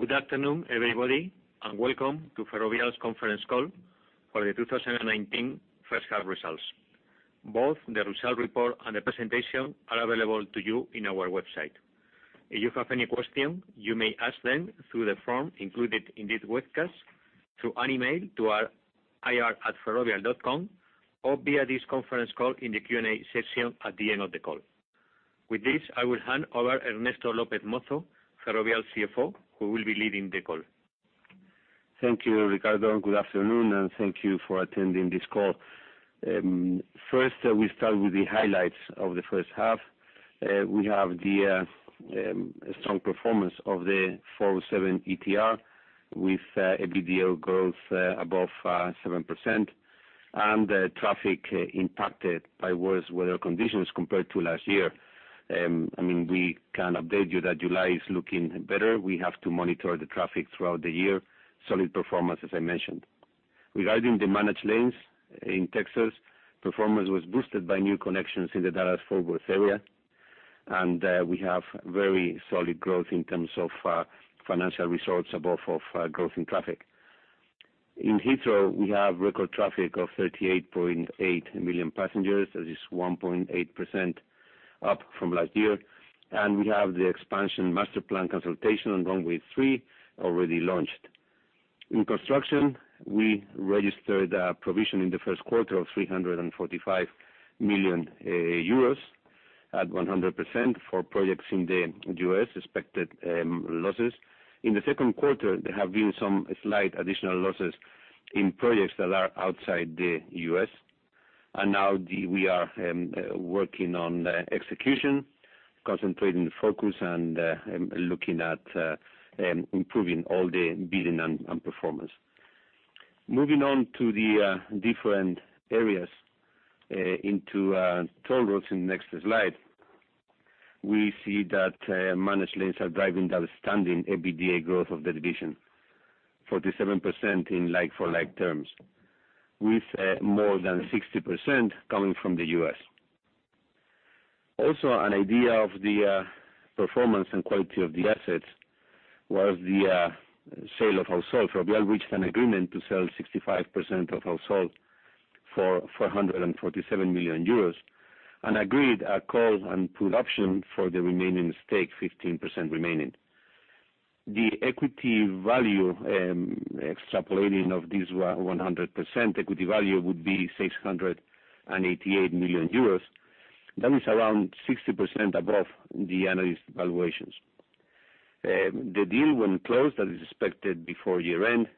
Good afternoon, everybody, and welcome to Ferrovial's conference call for the 2019 first half results. Both the results report and the presentation are available to you on our website. If you have any questions, you may ask them through the form included in this webcast, through an email to ir@ferrovial.com, or via this conference call in the Q&A session at the end of the call. With this, I will hand over to Ernesto López Mozo, Ferrovial's CFO, who will be leading the call. Thank you, Ricardo. Good afternoon, and thank you for attending this call. First, we start with the highlights of the first half. We have the strong performance of the 407 ETR, with EBITDA growth above 7% and traffic impacted by worse weather conditions compared to last year. We can update you that July is looking better. We have to monitor the traffic throughout the year. Solid performance, as I mentioned. Regarding the managed lanes in Texas, performance was boosted by new connections in the Dallas-Fort Worth area, and we have very solid growth in terms of financial results above our growth in traffic. In Heathrow, we have record traffic of 38.8 million passengers. That is 1.8% up from last year, and we have the expansion master plan consultation on runway three already launched. In construction, we registered a provision in the first quarter of 345 million euros at 100% for projects in the U.S., expected losses. In the second quarter, there have been some slight additional losses in projects that are outside the U.S., and now we are working on execution, concentrating focus, and looking at improving all the bidding and performance. Moving on to the different areas into toll roads in the next slide. We see that managed lanes are driving the outstanding EBITDA growth of the division, 47% in like-for-like terms, with more than 60% coming from the U.S. Also, an idea of the performance and quality of the assets was the sale of Ausol. Ferrovial reached an agreement to sell 65% of Ausol for 447 million euros and agreed a call and put option for the remaining stake, 15% remaining. The equity value, extrapolating of this 100% equity value, would be 688 million euros. That is around 60% above the analyst valuations. The deal, when closed, that is expected before year-end,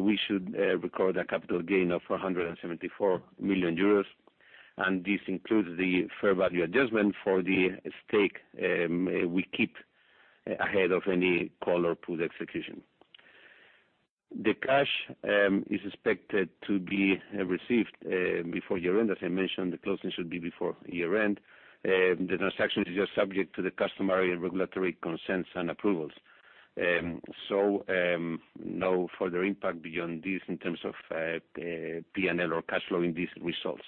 we should record a capital gain of 474 million euros, and this includes the fair value adjustment for the stake we keep ahead of any call or put execution. The cash is expected to be received before year-end. As I mentioned, the closing should be before year-end. The transaction is just subject to the customary regulatory consents and approvals. No further impact beyond this in terms of P&L or cash flow in these results.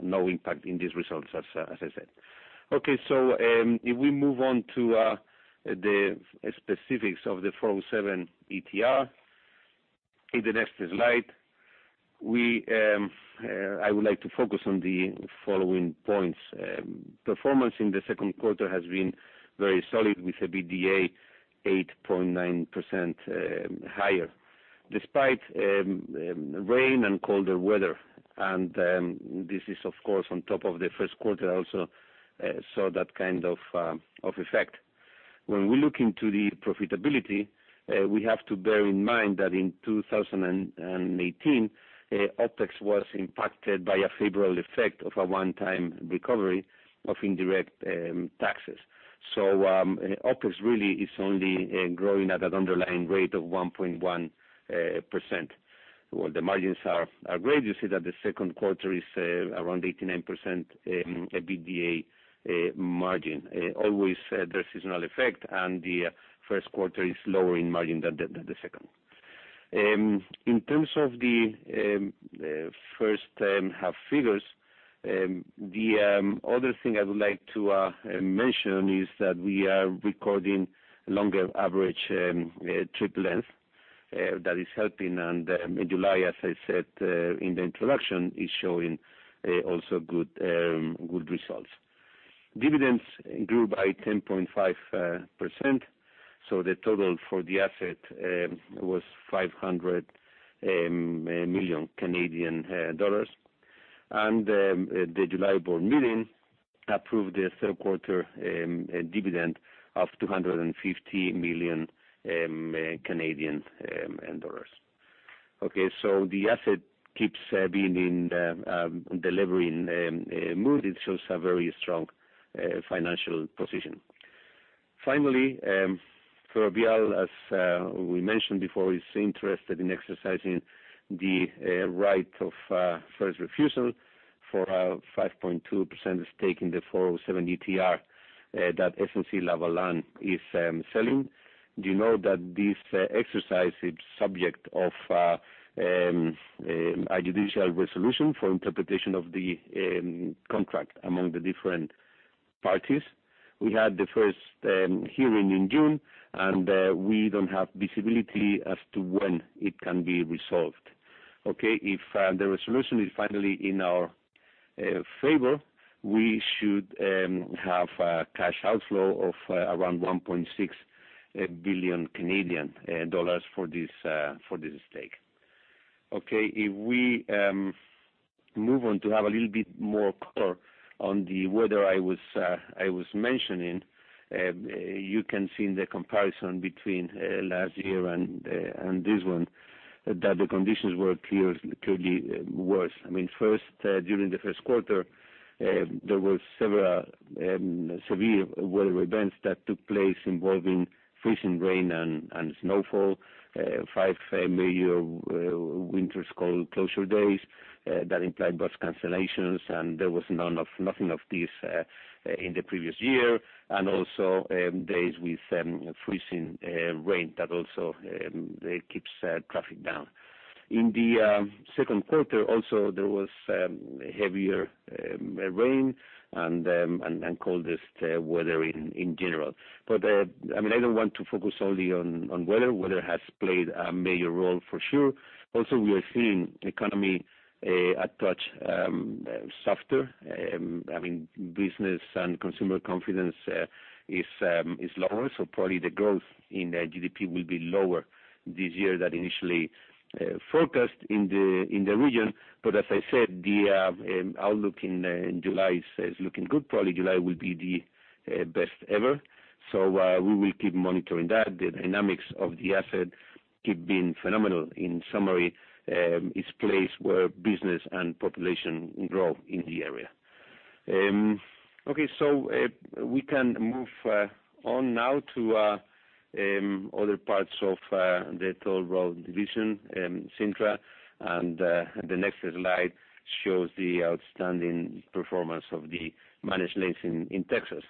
No impact in these results, as I said. Okay. If we move on to the specifics of the 407 ETR in the next slide, I would like to focus on the following points. Performance in the second quarter has been very solid, with EBITDA 8.9% higher, despite rain and colder weather. This is, of course, on top of the first quarter also, saw that kind of effect. When we look into the profitability, we have to bear in mind that in 2018, OpEx was impacted by a favorable effect of a one-time recovery of indirect taxes. OpEx really is only growing at an underlying rate of 1.1% while the margins are great. You see that the second quarter is around 89% EBITDA margin. Always the seasonal effect, and the first quarter is lower in margin than the second. In terms of the first half figures, the other thing I would like to mention is that we are recording longer average trip length. That is helping, and in July, as I said in the introduction, is showing also good results. Dividends grew by 10.5%, so the total for the asset was 500 million Canadian dollars. The July board meeting approved the third quarter dividend of 250 million Canadian dollars. So the asset keeps being in delivering mood. It shows a very strong financial position. Finally, Ferrovial, as we mentioned before, is interested in exercising the right of first refusal for our 5.2% stake in the 407 ETR that SNC-Lavalin is selling. You know that this exercise is subject of a judicial resolution for interpretation of the contract among the different parties. We had the first hearing in June, and we don't have visibility as to when it can be resolved. Okay? If the resolution is finally in our favor, we should have a cash outflow of around 1.6 billion Canadian dollars for this stake. Okay. If we move on to have a little bit more color on the weather I was mentioning, you can see in the comparison between last year and this one that the conditions were clearly worse. During the first quarter, there were several severe weather events that took place involving freezing rain and snowfall, five major winter school closure days that implied bus cancellations, there was nothing of this in the previous year. Also, days with freezing rain, that also keeps traffic down. In the second quarter also, there was heavier rain and coldest weather in general. I don't want to focus only on weather. Weather has played a major role for sure. Also, we are seeing the economy a touch softer. Business and consumer confidence is lower, probably the growth in GDP will be lower this year than initially forecast in the region. As I said, the outlook in July is looking good. Probably July will be the best ever. We will keep monitoring that. The dynamics of the asset keep being phenomenal. In summary, it's a place where business and population grow in the area. We can move on now to other parts of the toll road division, Cintra. The next slide shows the outstanding performance of the managed lanes in Texas.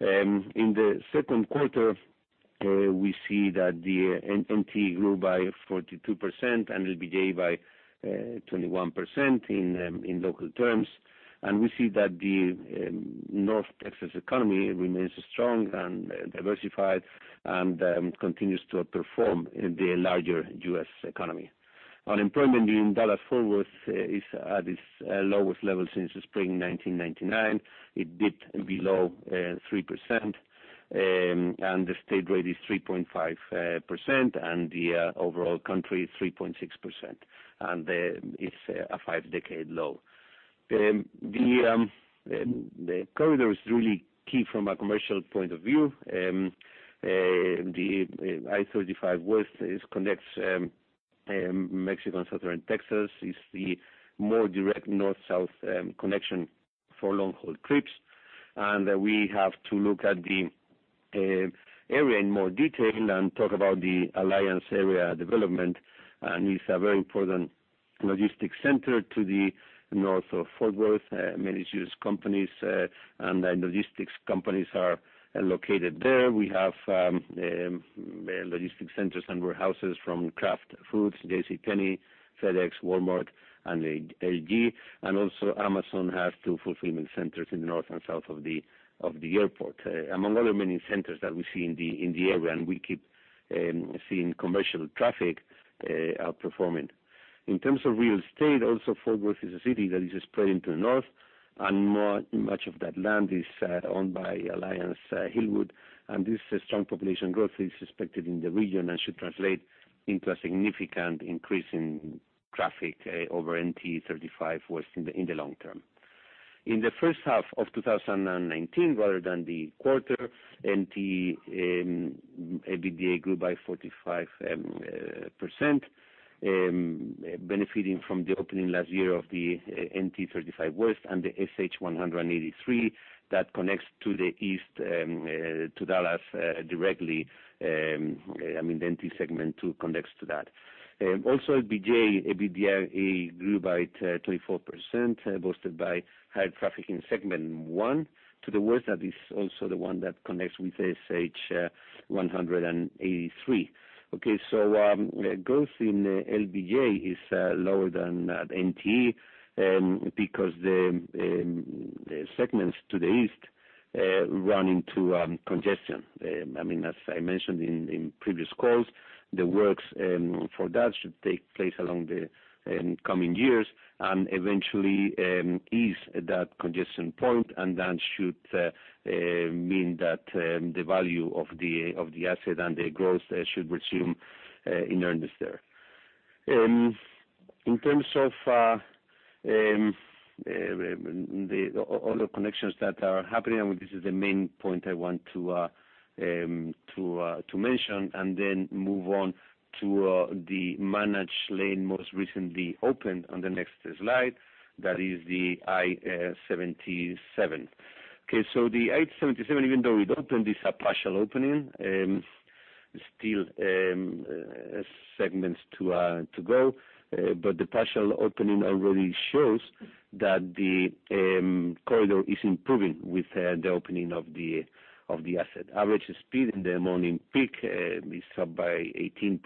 In the second quarter, we see that the NTE grew by 42% and EBITDA by 21% in local terms. We see that the North Texas economy remains strong and diversified, and continues to outperform the larger U.S. economy. Unemployment in Dallas-Fort Worth is at its lowest level since spring 1999. It dipped below 3%, and the state rate is 3.5%, and the overall country is 3.6%, and it's a five-decade low. The corridor is really key from a commercial point of view. The I-35 West connects Mexico and southern Texas, is the more direct north-south connection for long-haul trips. We have to look at the area in more detail and talk about the Alliance Area Development. It's a very important logistics center to the north of Fort Worth. Many U.S. companies and logistics companies are located there. We have logistics centers and warehouses from Kraft Foods, JCPenney, FedEx, Walmart, and LG. Also, Amazon has two fulfillment centers in the north and south of the airport, among other many centers that we see in the area, and we keep seeing commercial traffic outperforming. In terms of real estate also, Fort Worth is a city that is spreading to the north, and much of that land is owned by Alliance Hillwood. This strong population growth is expected in the region and should translate into a significant increase in traffic over NTE 35 West in the long term. In the first half of 2019, rather than the quarter, NTE EBITDA grew by 45%, benefiting from the opening last year of the NTE 35 West and the SH 183 that connects to the east to Dallas directly. NTE segment two connects to that. LBJ EBITDA grew by 24%, boosted by higher traffic in segment one to the west. That is also the one that connects with SH 183. Growth in LBJ is lower than NTE, because the segments to the east run into congestion. As I mentioned in previous calls, the works for that should take place along the coming years and eventually ease that congestion point. That should mean that the value of the asset and the growth should resume in earnest there. In terms of all the connections that are happening, this is the main point I want to mention, then move on to the managed lane most recently opened on the next slide. That is the I-77. Okay, the I-77, even though it opened, it's a partial opening. Still segments to go. The partial opening already shows that the corridor is improving with the opening of the asset. Average speed in the morning peak is up by 18%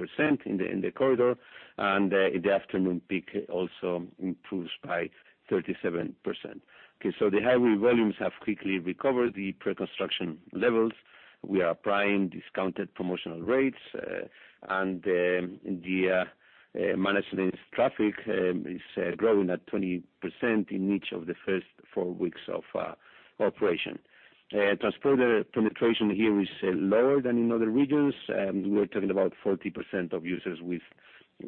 in the corridor. The afternoon peak also improves by 37%. The highway volumes have quickly recovered the pre-construction levels. We are applying discounted promotional rates, and the managed lanes traffic is growing at 20% in each of the first four weeks of operation. Transponder penetration here is lower than in other regions. We're talking about 40% of users with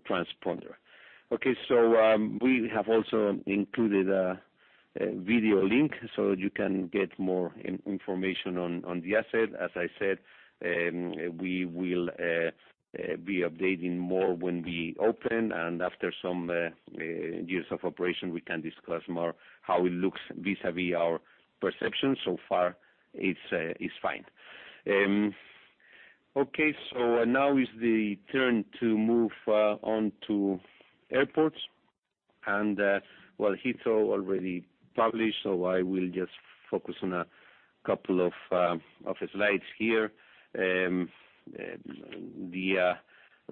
transponder. We have also included a video link so that you can get more information on the asset. As I said, we will be updating more when we open, and after some years of operation, we can discuss more how it looks vis-à-vis our perception. So far, it's fine. Now is the turn to move on to airports. Heathrow already published, I will just focus on a couple of slides here. The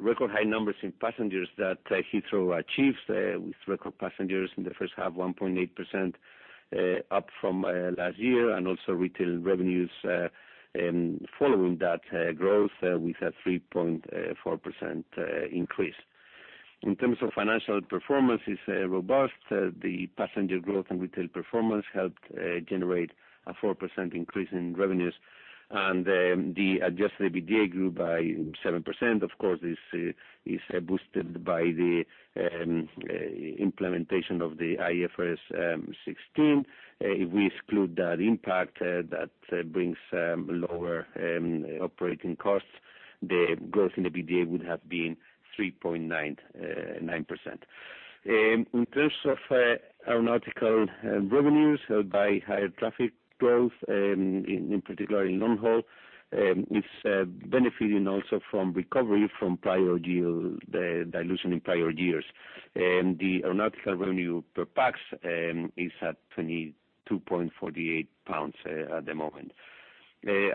record high numbers in passengers that Heathrow achieves, with record passengers in the first half, 1.8% up from last year, and also retail revenues following that growth with a 3.4% increase. In terms of financial performance, it's robust. The passenger growth and retail performance helped generate a 4% increase in revenues, and the Adjusted EBITDA grew by 7%. Of course, this is boosted by the implementation of the IFRS 16. If we exclude that impact, that brings lower operating costs, the growth in EBITDA would have been 3.99%. In terms of aeronautical revenues, helped by higher traffic growth, in particular in long haul, it's benefiting also from recovery from dilution in prior years. The aeronautical revenue per pax is at 22.48 pounds at the moment.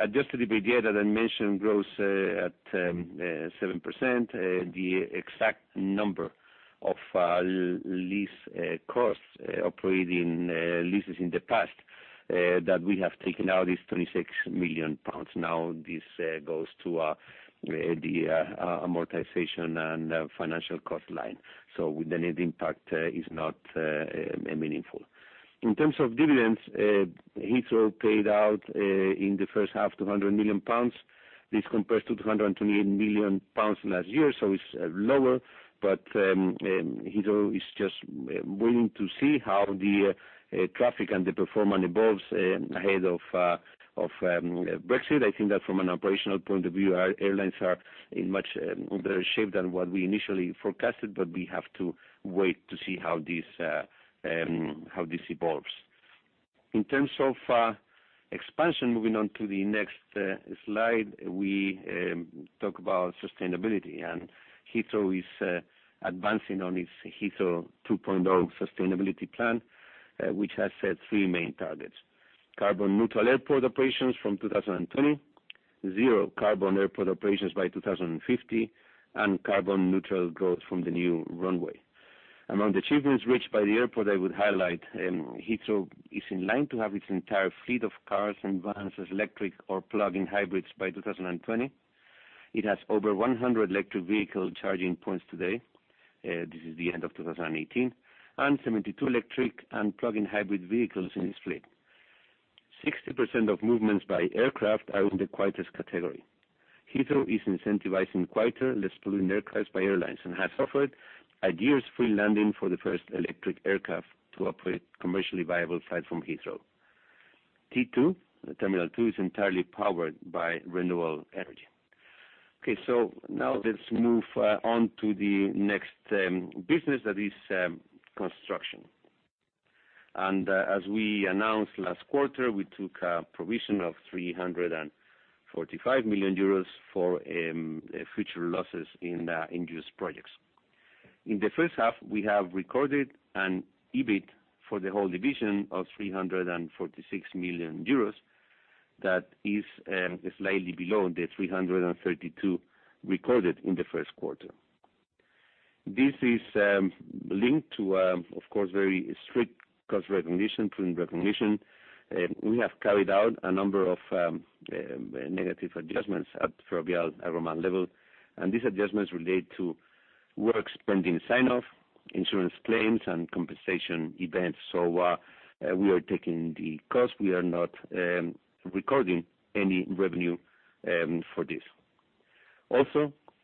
Adjusted EBITDA, that I mentioned, grows at 7%. The exact number of lease costs, operating leases in the past that we have taken out is 36 million pounds. This goes to the amortization and financial cost line. The net impact is not meaningful. In terms of dividends, Heathrow paid out, in the first half, 200 million pounds. This compares to 228 million pounds last year, so it's lower, but Heathrow is just waiting to see how the traffic and the performance evolves ahead of Brexit. I think that from an operational point of view, our airlines are in much better shape than what we initially forecasted, but we have to wait to see how this evolves. In terms of expansion, moving on to the next slide, we talk about sustainability. Heathrow is advancing on its Heathrow 2.0 sustainability plan, which has set three main targets: carbon-neutral airport operations from 2020, zero carbon airport operations by 2050, and carbon-neutral growth from the new runway. Among the achievements reached by the airport, I would highlight Heathrow is in line to have its entire fleet of cars and vans as electric or plug-in hybrids by 2020. It has over 100 electric vehicle charging points today, this is the end of 2018, and 72 electric and plug-in hybrid vehicles in its fleet. 60% of movements by aircraft are in the quietest category. Heathrow is incentivizing quieter, less polluting aircraft by airlines and has offered a year's free landing for the first electric aircraft to operate a commercially viable flight from Heathrow. T2, terminal 2, is entirely powered by renewable energy. Let's move on to the next business, that is, construction. As we announced last quarter, we took a provision of 345 million euros for future losses in induced projects. In the first half, we have recorded an EBIT for the whole division of 346 million euros. That is slightly below 332 million recorded in the first quarter. This is linked to, of course, very strict cost recognition, revenue recognition. We have carried out a number of negative adjustments at Ferrovial Agroman level. These adjustments relate to works pending sign-off, insurance claims, and compensation events. We are taking the cost. We are not recording any revenue for this.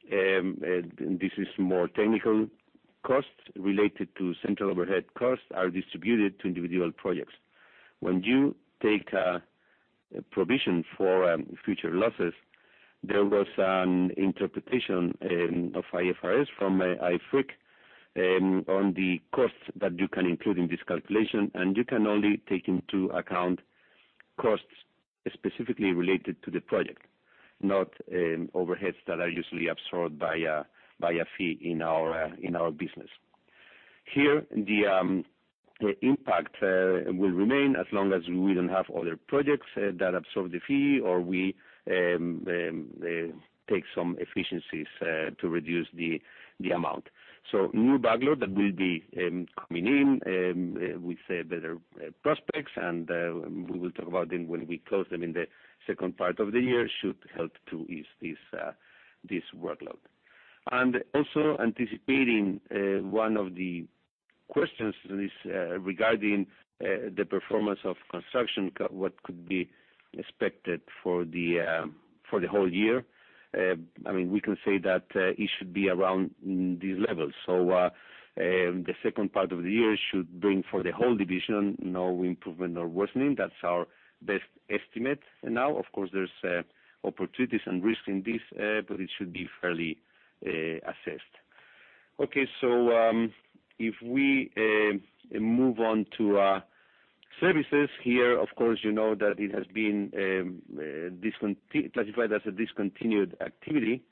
This is more technical, costs related to central overhead costs are distributed to individual projects. When you take a provision for future losses, there was an interpretation of IFRS from IFRIC on the costs that you can include in this calculation, and you can only take into account costs specifically related to the project, not overheads that are usually absorbed by a fee in our business. Here, the impact will remain as long as we don't have other projects that absorb the fee, or we take some efficiencies to reduce the amount. New backlog that will be coming in, with better prospects, and we will talk about them when we close them in the second part of the year, should help to ease this workload. Also anticipating one of the questions regarding the performance of construction, what could be expected for the whole year. We can say that it should be around these levels. So, the second part of the year should bring for the whole division, no improvement or worsening. That's our best estimate. Of course, there's opportunities and risk in this, but it should be fairly assessed. Okay. If we move on to services here, of course, you know that it has been classified as a discontinued activity.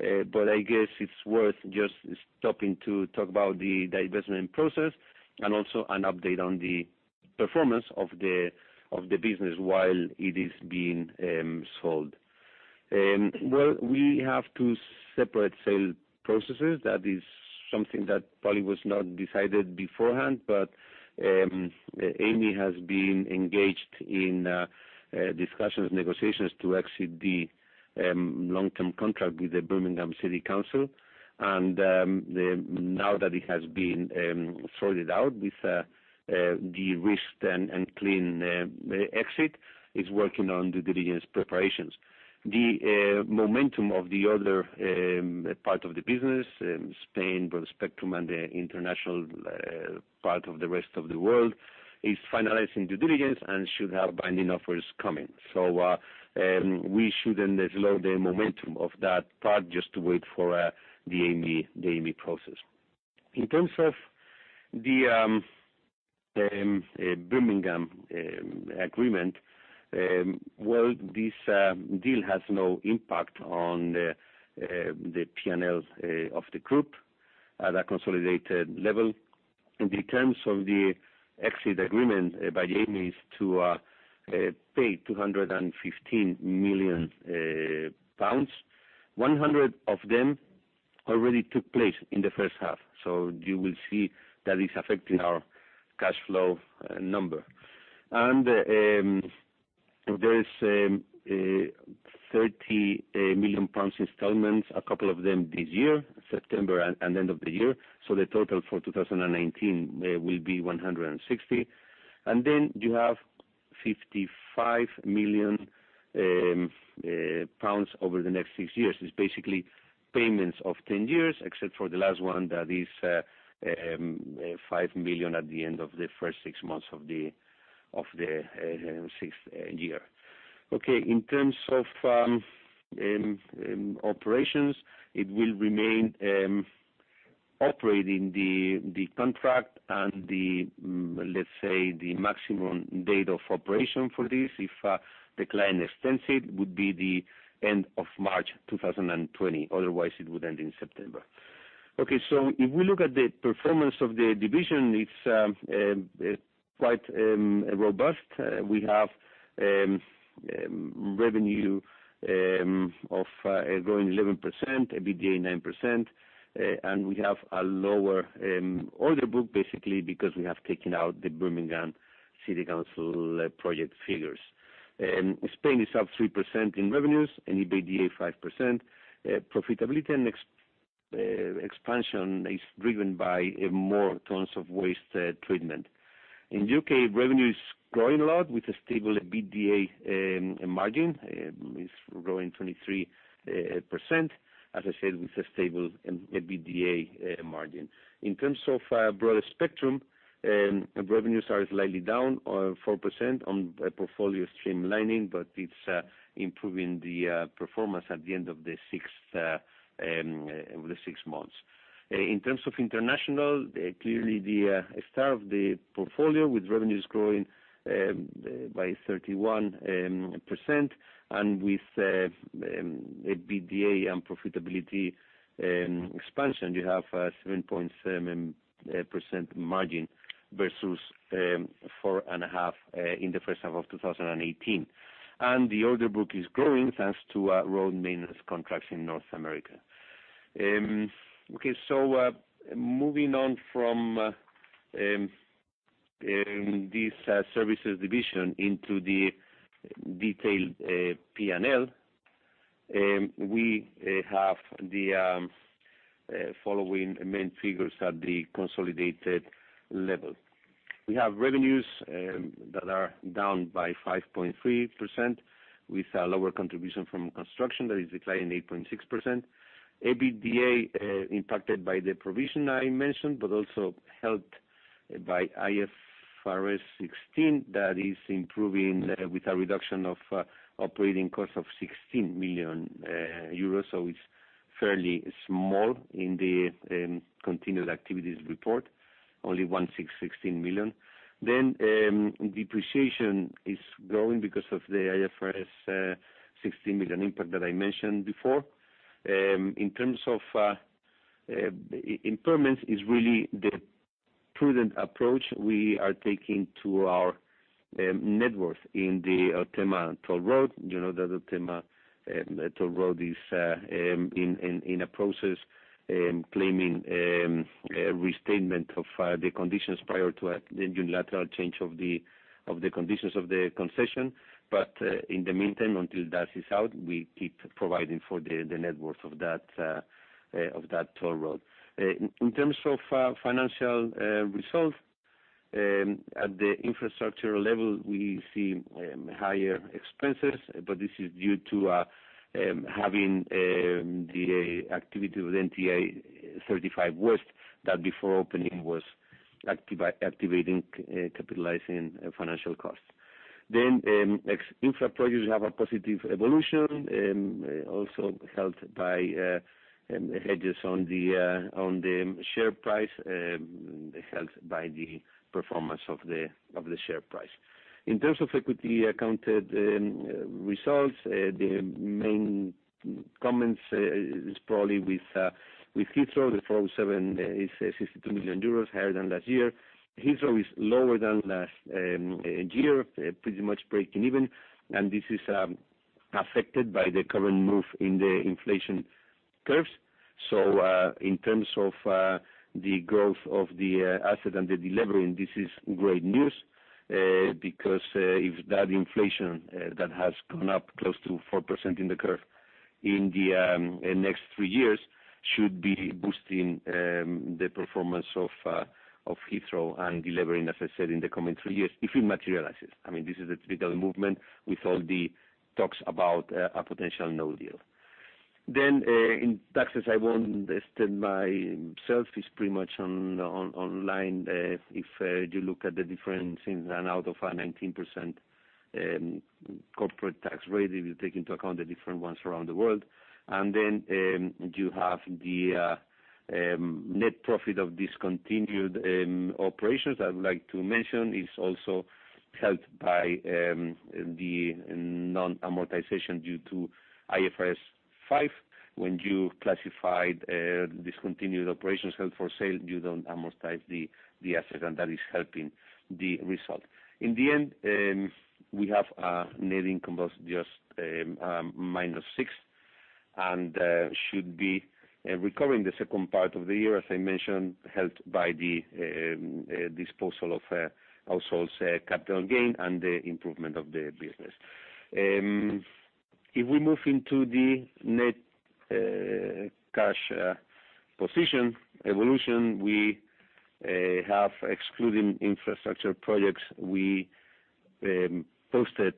I guess it's worth just stopping to talk about the divestment process and also an update on the performance of the business while it is being sold. We have two separate sale processes. That is something that probably was not decided beforehand, but Amey has been engaged in discussions, negotiations to exit the long-term contract with the Birmingham City Council. Now that it has been sorted out with the risked and clean exit, is working on due diligence preparations. The momentum of the other part of the business, Spain, Broadspectrum and the international part of the rest of the world, is finalizing due diligence and should have binding offers coming. We shouldn't slow the momentum of that part just to wait for the Amey process. In terms of the Birmingham agreement, well, this deal has no impact on the P&Ls of the group at a consolidated level. The terms of the exit agreement by Amey is to pay 215 million pounds. 100 million of them already took place in the first half. You will see that it's affecting our cash flow number. There is a 30 million pounds installment, a couple of them this year, September, and end of the year. The total for 2019 will be 160 million. Then you have 55 million pounds over the next six years. It's basically payments of 10 years, except for the last one that is 5 million at the end of the first six months of the sixth year. Okay, in terms of operations, it will remain operating the contract and the, let's say, the maximum date of operation for this. If the client extends it, would be the end of March 2020. Otherwise, it would end in September. Okay. If we look at the performance of the division, it's quite robust. We have revenue growing 11%, EBITDA 9%, and we have a lower order book, basically because we have taken out the Birmingham City Council project figures. Spain is up 3% in revenues and EBITDA 5%. Profitability and expansion is driven by more tons of waste treatment. In U.K., revenue is growing a lot with a stable EBITDA margin. It's growing 23%. As I said, with a stable EBITDA margin. In terms of Broadspectrum, revenues are slightly down 4% on portfolio streamlining, but it's improving the performance at the end of the six months. In terms of international, clearly the star of the portfolio with revenues growing by 31% and with EBITDA and profitability expansion, you have a 7.7% margin versus 4.5% in the first half of 2018. The order book is growing, thanks to road maintenance contracts in North America. Moving on from this services division into the detailed P&L, we have the following main figures at the consolidated level. We have revenues that are down by 5.3% with a lower contribution from construction that is declining 8.6%. EBITDA impacted by the provision I mentioned, but also helped by IFRS 16 that is improving with a reduction of operating cost of 16 million euros. It's fairly small in the continued activities report, only 116 million. Depreciation is growing because of the IFRS 16 impact that I mentioned before. In terms of impairments, is it really the prudent approach we are taking to our net worth in the Autema toll road. You know that Autema toll road is in a process, claiming a restatement of the conditions prior to the unilateral change of the conditions of the concession. In the meantime, until that is out, we keep providing for the net worth of that toll road. In terms of financial results. At the infrastructure level, we see higher expenses, this is due to having the activity with NTE 35 West, that before opening was activating, capitalizing financial costs. Then in infra projects have a positive evolution, also helped by hedges on the share price, helped by the performance of the share price. In terms of equity accounted results, the main comments is probably with Heathrow, the 407 is 62 million euros, higher than last year. Heathrow is lower than last year, pretty much breaking even. This is affected by the current move in the inflation curves. In terms of the growth of the asset and the delivering, this is great news. If that inflation that has gone up close to 4% in the curve in the next three years should be boosting the performance of Heathrow and delivering, as I said, in the coming three years, if it materializes. This is a little movement with all the talks about a potential no-deal. In taxes, I won't extend myself. It's pretty much online. If you look at the difference in and out of our 19% corporate tax rate, if you take into account the different ones around the world. You have the net profit of discontinued operations. I would like to mention, it is also helped by the non-amortization due to IFRS 5. When you classified discontinued operations held for sale, you do not amortize the asset, and that is helping the result. In the end, we have net income versus just -6, and should be recovering the second part of the year, as I mentioned, helped by the disposal of Ausol's capital gain and the improvement of the business. If we move into the net cash position evolution, we have, excluding infrastructure projects, we posted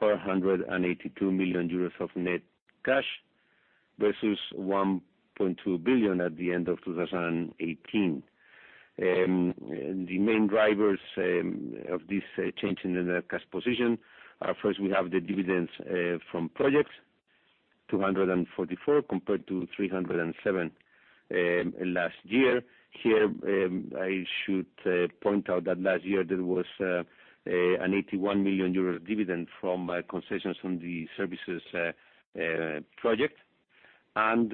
482 million euros of net cash versus 1.2 billion at the end of 2018. The main drivers of this change in the net cash position are, first, we have the dividends from projects, 244 million compared to 307 million last year. Here, I should point out that last year there was an 81 million euro dividend from concessions from the services project. In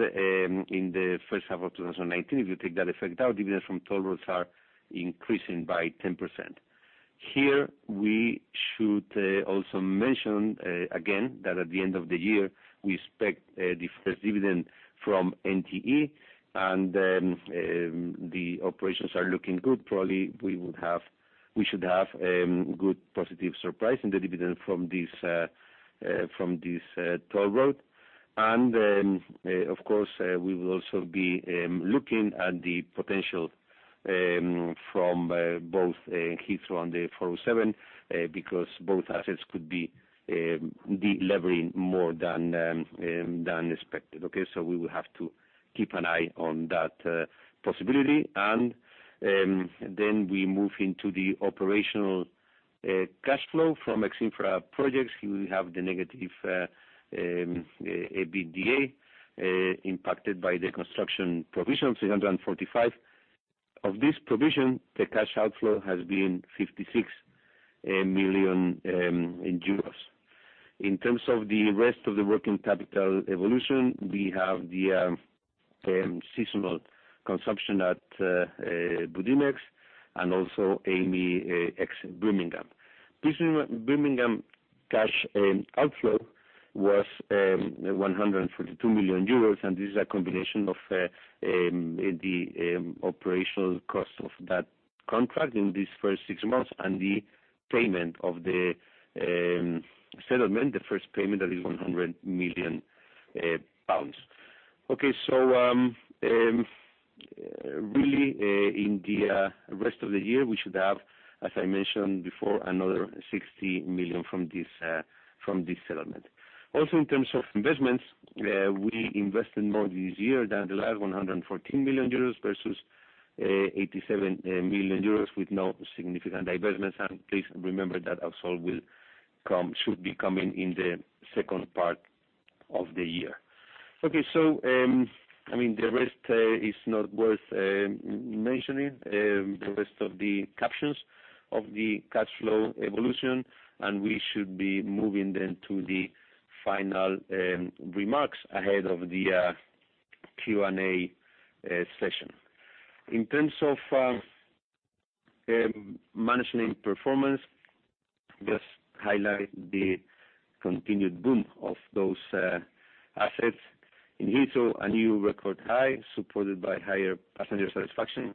the first half of 2019, if you take that effect out, dividends from toll roads are increasing by 10%. Here, we should also mention again that at the end of the year, we expect the first dividend from NTE, the operations are looking good. Probably we should have good positive surprise in the dividend from this toll road. Of course, we will also be looking at the potential from both Heathrow and the 407, because both assets could be delivering more than expected. Okay? We will have to keep an eye on that possibility. We move into the operational cash flow from ex-infra projects. Here we have the negative EBITDA impacted by the construction provision of 345 million. Of this provision, the cash outflow has been 56 million euros. In terms of the rest of the working capital evolution, we have the seasonal consumption at Budimex, also Amey Birmingham. Birmingham cash outflow was 142 million euros, this is a combination of the operational cost of that contract in these first six months, and the payment of the settlement, the first payment that is GBP 100 million. Okay. Really, in the rest of the year, we should have, as I mentioned before, another 60 million from this settlement. Also, in terms of investments, we invested more this year than the last, 114 million euros versus 87 million euros, with no significant divestments. Please remember that Ausol should be coming in the second part of the year. Okay. The rest is not worth mentioning, the rest of the captions of the cash flow evolution. We should be moving then to the final remarks ahead of the Q&A session. In terms of management performance, just highlight the continued boom of those assets. In Heathrow, a new record high supported by higher passenger satisfaction.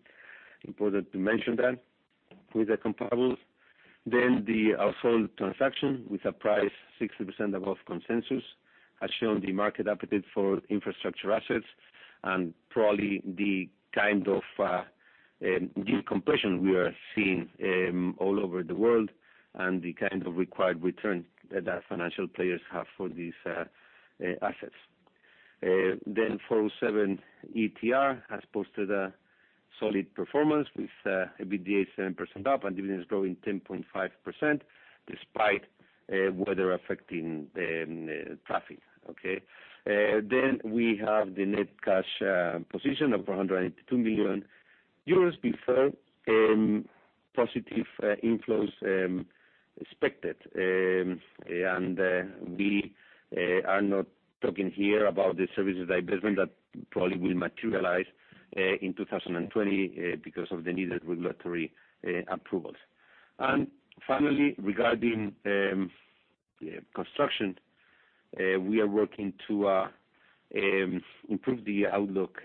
Important to mention that with the comparables. The Ausol transaction with a price 60% above consensus, has shown the market appetite for infrastructure assets and probably the kind of decompressions we are seeing all over the world, and the kind of required return that our financial players have for these assets. 407 ETR has posted a solid performance with EBITDA 7% up and dividends growing 10.5%, despite weather affecting traffic. Okay? We have the net cash position of 482 million euros before positive inflows expected. We are not talking here about the services divestment that probably will materialize in 2020, because of the needed regulatory approvals. Finally, regarding construction, we are working to improve the outlook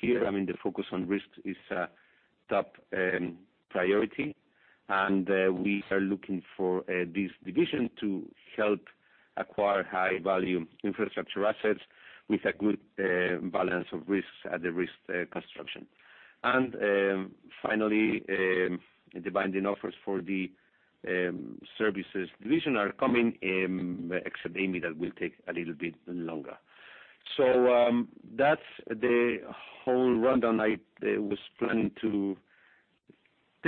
here. The focus on risks is a top priority, and we are looking for this division to help acquire high-value infrastructure assets with a good balance of risks. Finally, the binding offers for the services division are coming, except Amey, that will take a little bit longer. That's the whole rundown I was planning to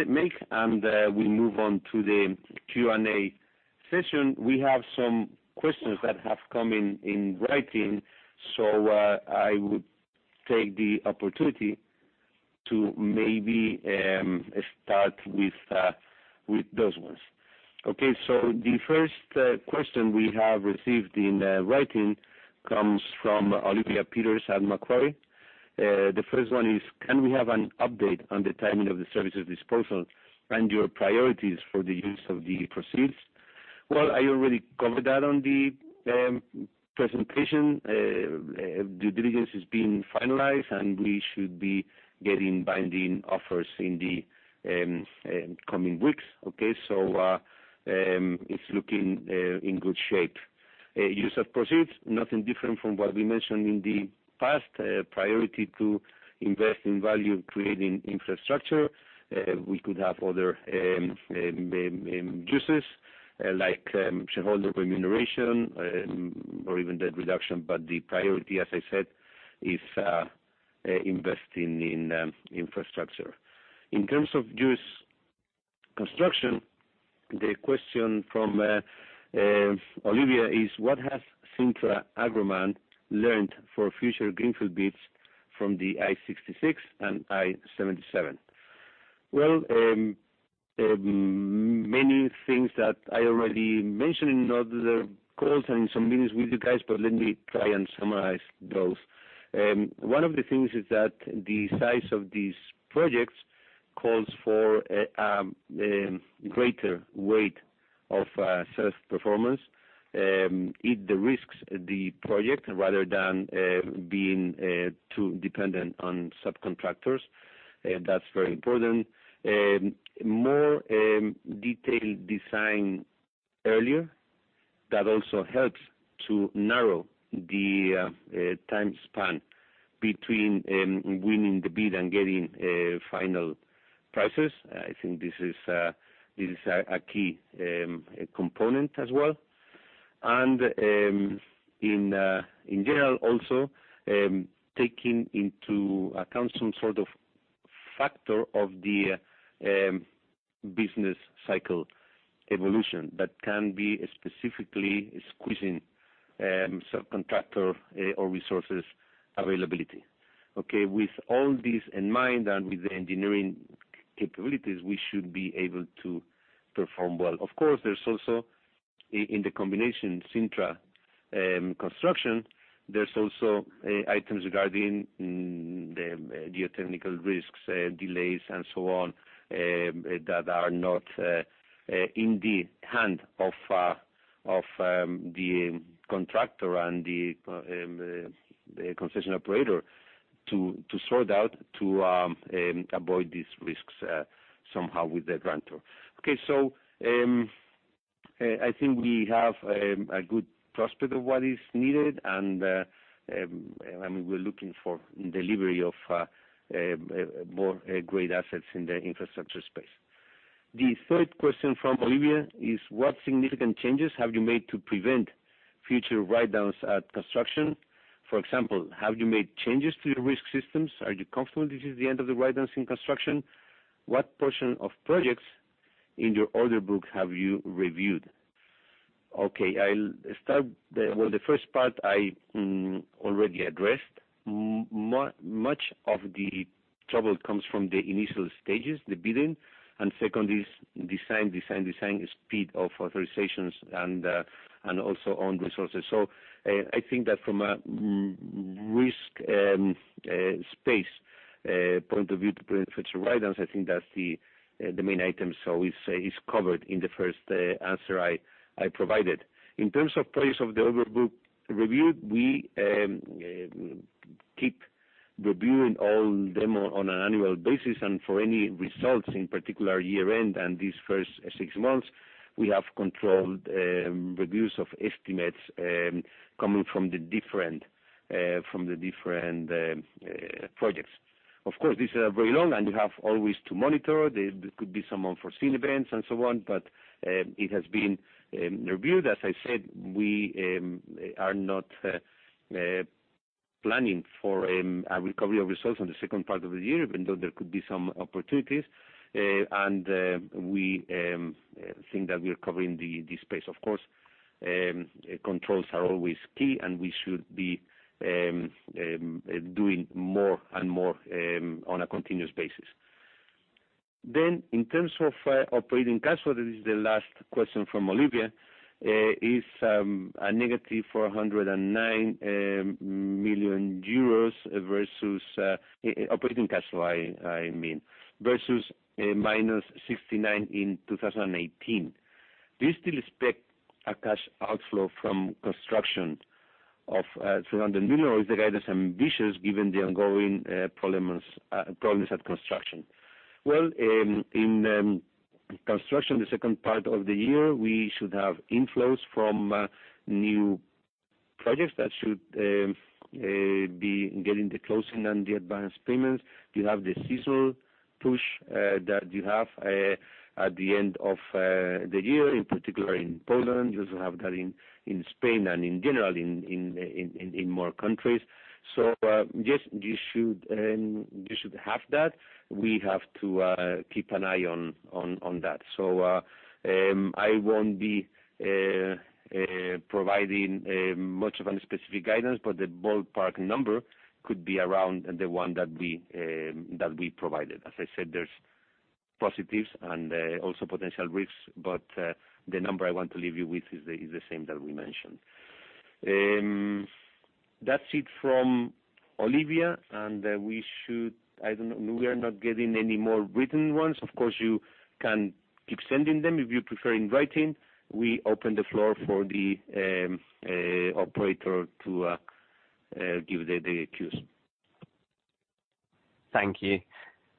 make, and we move on to the Q&A session. We have some questions that have come in in writing. I would take the opportunity to maybe start with those ones. Okay. The first question we have received in writing comes from Olivia Peters at Macquarie. The first one is: Can we have an update on the timing of the services disposal and your priorities for the use of the proceeds? Well, I already covered that on the presentation. Due diligence is being finalized, and we should be getting binding offers in the coming weeks. Okay. It's looking in good shape. Use of proceeds, nothing different from what we mentioned in the past. Priority to invest in value-creating infrastructure. We could have other uses, like shareholder remuneration or even debt reduction, but the priority, as I said, is investing in infrastructure. In terms of use construction, the question from Olivia is: What has Cintra Agroman learned for future greenfield bids from the I-66 and I-77? Well, many things that I already mentioned in other calls and in some meetings with you guys, but let me try and summarize those. One of the things is that the size of these projects calls for a greater weight of self-performance rather than being too dependent on subcontractors. That's very important. More detailed design earlier. That also helps to narrow the time span between winning the bid and getting final prices. I think this is a key component as well. In general, also, taking into account some sort of factor of the business cycle evolution that can be specifically squeezing subcontractor or resources availability. Okay. With all this in mind and with the engineering capabilities, we should be able to perform well. Of course, there's also, in the combination Cintra Construction, there's also items regarding the geotechnical risks, delays, and so on, that are not in the hand of the contractor and the concession operator to sort out to avoid these risks somehow with the grantor. Okay. I think we have a good prospect of what is needed, and we're looking for delivery of more great assets in the infrastructure space. The third question from Olivia is: What significant changes have you made to prevent future write-downs at construction? For example, have you made changes to your risk systems? Are you confident this is the end of the write-downs in construction? What portion of projects in your order book have you reviewed? The first part I already addressed. Much of the trouble comes from the initial stages, the bidding. Second is design, design, speed of authorizations, and also own resources. I think that from a risk space point of view, to prevent future write-downs, I think that's the main item. It's covered in the first answer I provided. In terms of price of the order book review, we keep reviewing all them on an annual basis, and for any results, in particular year-end and these first six months, we have controlled reviews of estimates coming from the different projects. Of course, these are very long, and you have always to monitor. There could be some unforeseen events and so on. It has been reviewed. As I said, we are not planning for a recovery of results on the second part of the year, even though there could be some opportunities. We think that we are covering the space. Of course, controls are always key. We should be doing more and more on a continuous basis. In terms of operating cash flow, this is the last question from Olivia, is a negative 409 million euros versus operating cash flow, I mean, versus minus 69 million in 2018. Do you still expect a cash outflow from construction of 300 million, or is the guidance ambitious given the ongoing problems at construction? Well, in construction, the second part of the year, we should have inflows from new projects that should be getting the closing and the advanced payments. You have the seasonal push that you have at the end of the year, in particular in Poland. You also have that in Spain and in general in more countries. Just, you should have that. We have to keep an eye on that. I won't be providing much of any specific guidance, but the ballpark number could be around the one that we provided. As I said, there's positives and also potential risks, but the number I want to leave you with is the same that we mentioned. That's it from Olivia. We are not getting any more written ones. Of course, you can keep sending them if you prefer in writing. We open the floor for the operator to give the queues. Thank you.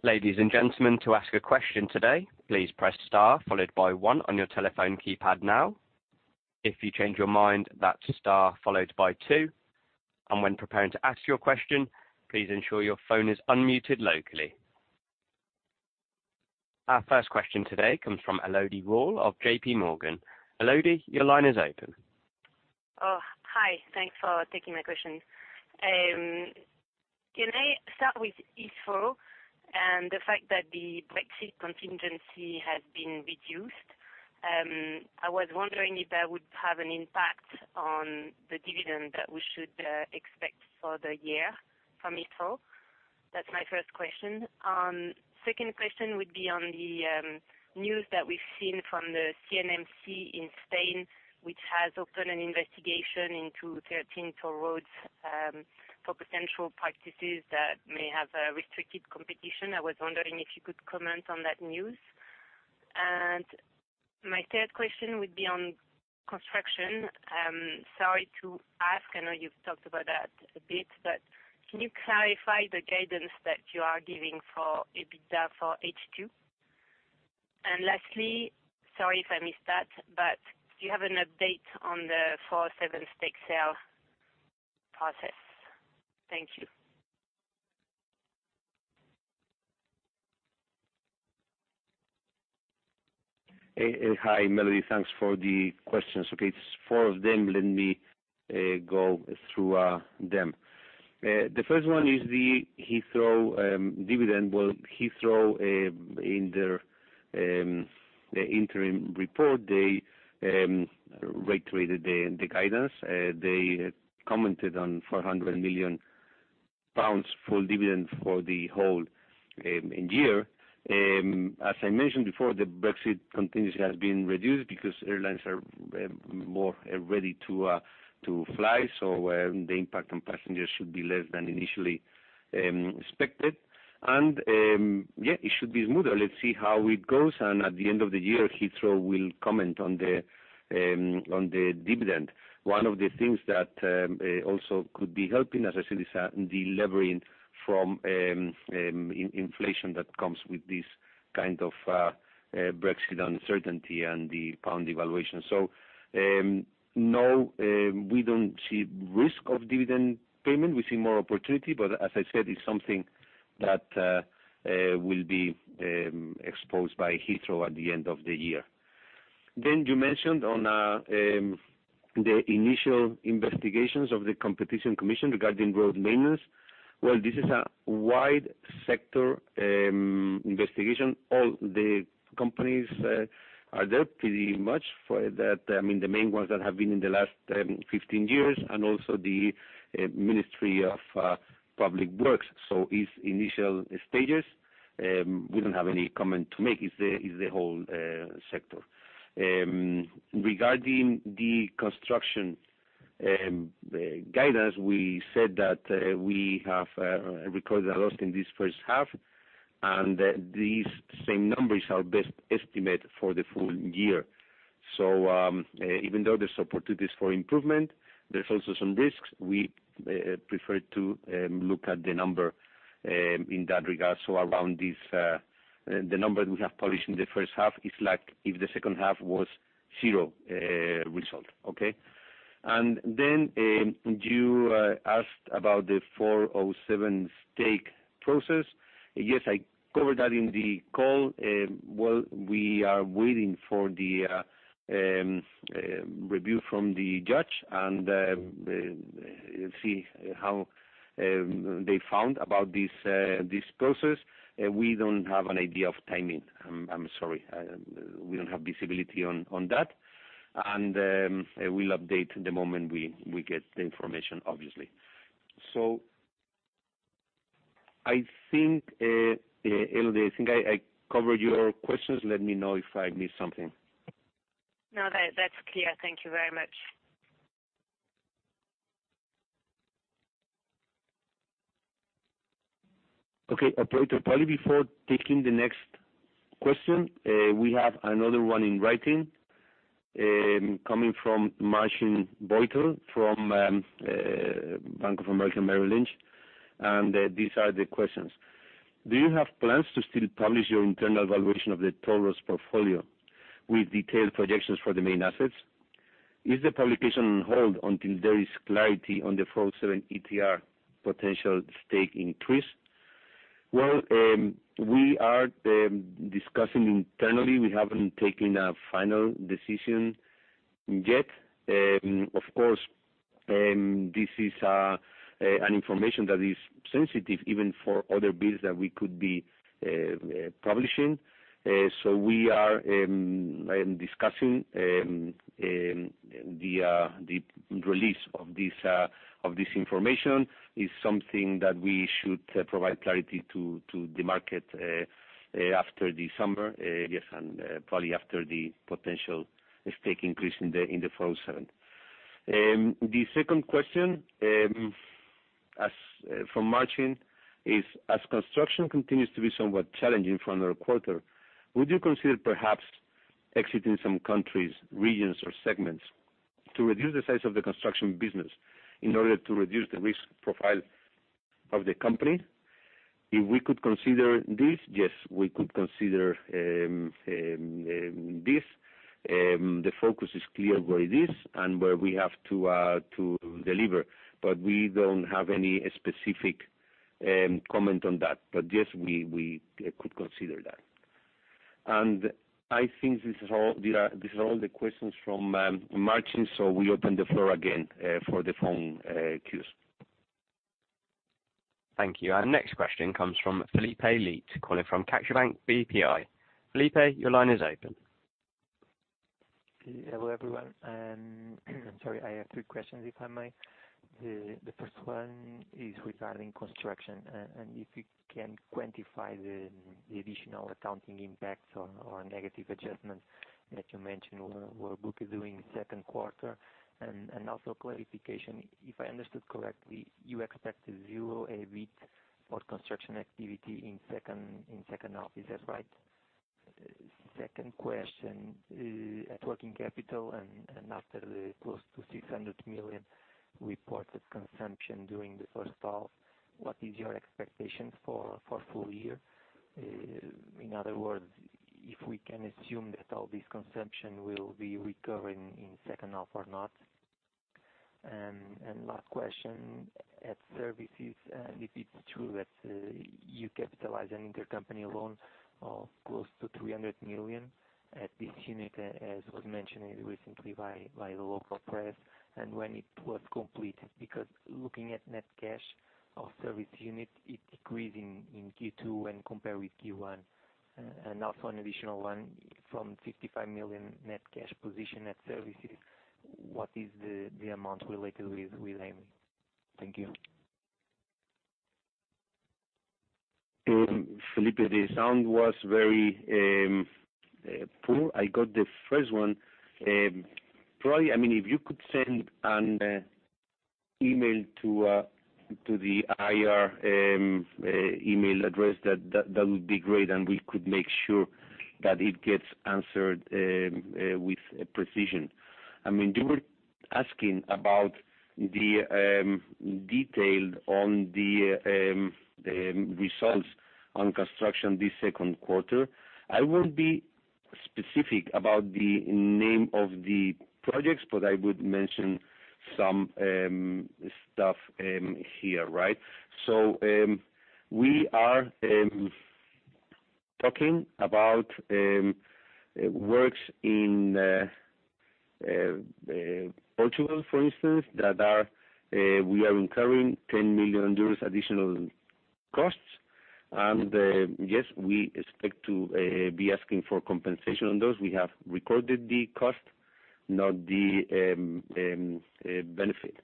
Ladies and gentlemen, to ask a question today, please press star followed by one on your telephone keypad now. If you change your mind, that's star followed by two, and when preparing to ask your question, please ensure your phone is unmuted locally. Our first question today comes from Elodie Rall of JPMorgan. Elodie, your line is open. Oh, hi. Thanks for taking my question. Can I start with Heathrow and the fact that the Brexit contingency has been reduced? I was wondering if that would have an impact on the dividend that we should expect for the year from Heathrow. That's my first question. Second question would be on the news that we've seen from the CNMC in Spain, which has opened an investigation into 13 toll roads, for potential practices that may have restricted competition. I was wondering if you could comment on that news. My third question would be on construction. Sorry to ask, I know you've talked about that a bit, but can you clarify the guidance that you are giving for EBITDA for H2? Lastly, sorry if I missed that, but do you have an update on the 407 stake sale process? Thank you. Hi, Elodie. Thanks for the questions. Okay, it's four of them. Let me go through them. The first one is the Heathrow dividend. Well, Heathrow, in their interim report, they reiterated the guidance. They commented on 400 million pounds full dividend for the whole year. As I mentioned before, the Brexit contingency has been reduced because airlines are more ready to fly, so the impact on passengers should be less than initially expected. Yeah, it should be smoother. Let's see how it goes, and at the end of the year, Heathrow will comment on the dividend. One of the things that also could be helping, as I said, is de-levering from inflation that comes with this kind of Brexit uncertainty and the pound devaluation. No, we don't see risk of dividend payment. We see more opportunity, but as I said, it's something that will be exposed by Heathrow at the end of the year. You mentioned on the initial investigations of the Competition Commission regarding road maintenance. This is a wide sector investigation. All the companies are there pretty much. I mean, the main ones that have been in the last 15 years, and also the Ministry of Public Works. It's initial stages. We don't have any comment to make. It's the whole sector. Regarding the construction guidance, we said that we have recorded a loss in this first half, and these same numbers are best estimate for the full year. Even though there's opportunities for improvement, there's also some risks. We prefer to look at the number in that regard. Around the number we have published in the first half is like if the second half was zero result. Okay. You asked about the 407 stake process. Yes, I covered that in the call. We are waiting for the review from the judge and see how they found about this process. We don't have an idea of timing. I'm sorry. We don't have visibility on that. We'll update the moment we get the information, obviously. I think, Elodie, I think I covered your questions. Let me know if I missed something. No, that's clear. Thank you very much. Okay. Probably before taking the next question, we have another one in writing, coming from Marcin Wojtal from Bank of America Merrill Lynch. These are the questions. Do you have plans to still publish your internal valuation of the toll roads portfolio with detailed projections for the main assets? Is the publication on hold until there is clarity on the 407 ETR potential stake increase? Well, we are discussing internally. We haven't taken a final decision yet. Of course, this is an information that is sensitive even for other bids that we could be publishing. We are discussing the release of this information. It is something that we should provide clarity to the market after December. Yes, probably after the potential stake increase in the 407. The second question from Marcin is, as construction continues to be somewhat challenging for another quarter, would you consider perhaps exiting some countries, regions, or segments to reduce the size of the construction business in order to reduce the risk profile of the company? If we could consider this, yes, we could consider this. The focus is clear where it is and where we have to deliver, but we don't have any specific comment on that. Yes, we could consider that. I think these are all the questions from Marcin, we open the floor again, for the phone queues. Thank you. Our next question comes from Felipe Leite, calling from CaixaBank BPI. Felipe, your line is open. Hello, everyone. Sorry, I have two questions, if I may. The first one is regarding construction, if you can quantify the additional accounting impacts or negative adjustments that you mentioned were booked during the second quarter. Also clarification, if I understood correctly, you expect zero EBIT for construction activity in second half. Is that right? Second question. At working capital, and after the close to 600 million reported consumption during the first half, what is your expectation for full year? In other words, if we can assume that all this consumption will be recovering in second half or not? Last question. At services, if it's true that you capitalize an intercompany loan of close to 300 million at this unit, as was mentioned recently by the local press, and when it was complete? Looking at net cash of service unit, it decreased in Q2 when compared with Q1. Also, an additional one from 55 million net cash position at services. What is the amount related with Amey? Thank you. Felipe, the sound was very poor. I got the first one. If you could send an email to the IR email address, that would be great, and we could make sure that it gets answered with precision. You were asking about the detail on the results on construction this second quarter. I won't be specific about the name of the projects, but I would mention some stuff here. We are talking about works in Portugal, for instance, that we are incurring 10 million euros additional costs, and yes, we expect to be asking for compensation on those. We have recorded the cost, not the benefit.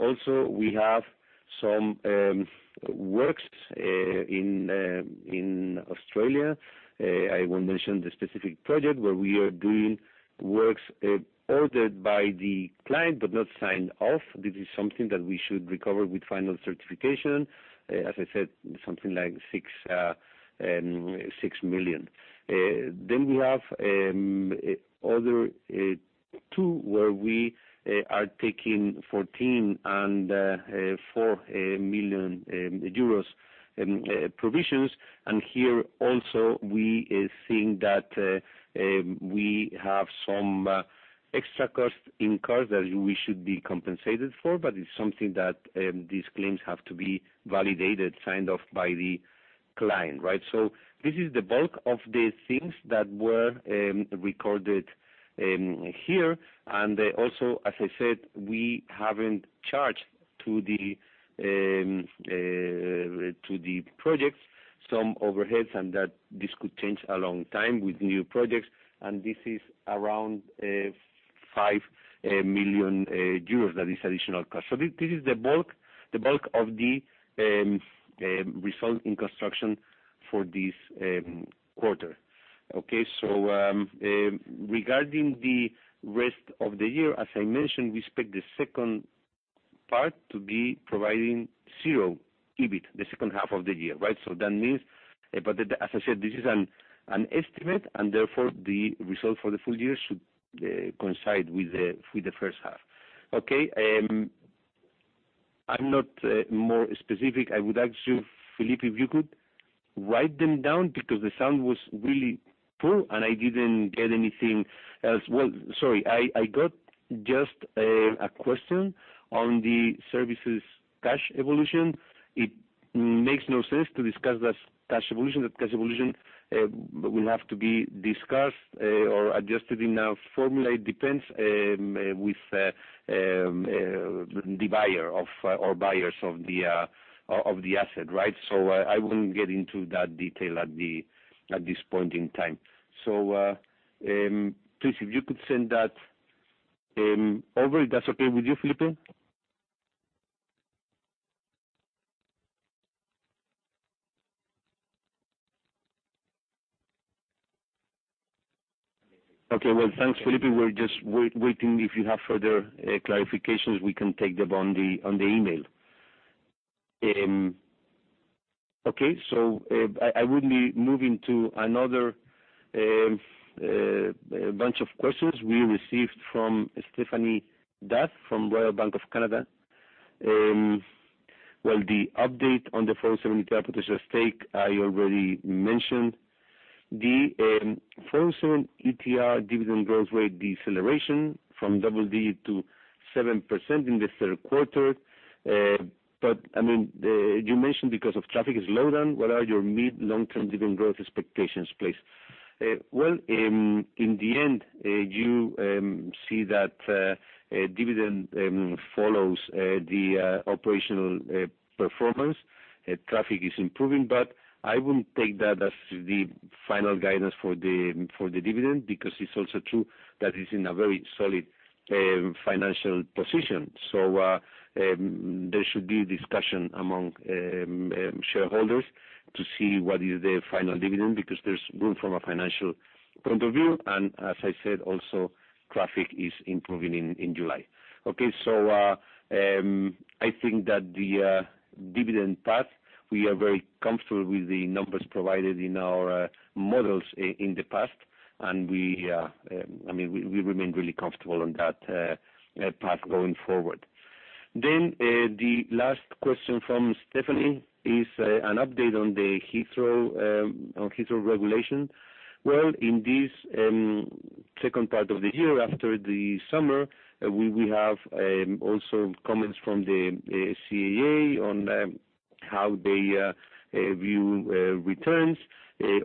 Also, we have some works in Australia. I won't mention the specific project where we are doing work ordered by the client but not signed off. This is something that we should recover with final certification. As I said, something like 6 million. We have other two, where we are taking 14 million and 4 million euros provisions. Here also, we think that we have some extra costs incurred that we should be compensated for, but it's something that these claims have to be validated, signed off by the client, right? This is the bulk of the things that were recorded here. Also, as I said, we haven't charged to the projects some overheads, and that this could change along time with new projects, and this is around 5 million euros that is additional cost. This is the bulk of the result in construction for this quarter. Okay. Regarding the rest of the year, as I mentioned, we expect the second part to be providing zero EBIT, the second half of the year, right? That means as I said, this is an estimate, and therefore, the result for the full year should coincide with the first half. Okay. I'm not more specific. I would ask you, Felipe, if you could write them down because the sound was really poor, and I didn't get anything else. Well, sorry, I got just a question on the services cash evolution. It makes no sense to discuss that cash evolution. That cash evolution will have to be discussed or adjusted in a formula. It depends with the buyer or buyers of the asset, right? I wouldn't get into that detail at this point in time. Please, if you could send that over. That's okay with you, Felipe? Okay. Well, thanks, Felipe. We're just waiting. If you have further clarifications, we can take them on the email. Okay. I would be moving to another bunch of questions we received from Stéphanie D'Ath from Royal Bank of Canada. Well, the update on the 407 ETR potential stake, I already mentioned. The 407 ETR dividend growth rate deceleration from double-digit to 7% in the third quarter. You mentioned because of traffic is lower, what are your mid- to long-term dividend growth expectations, please? Well, in the end, you see that dividend follows the operational performance. Traffic is improving, I wouldn't take that as the final guidance for the dividend because it's also true that it's in a very solid financial position. There should be discussion among shareholders to see what is the final dividend, because there's room from a financial point of view, and as I said, also traffic is improving in July. Okay. I think that the dividend path, we are very comfortable with the numbers provided in our models in the past, and we remain really comfortable on that path going forward. The last question from Stéphanie is an update on the Heathrow regulation. In this second part of the year after the summer, we will have also comments from the CAA on how they view returns,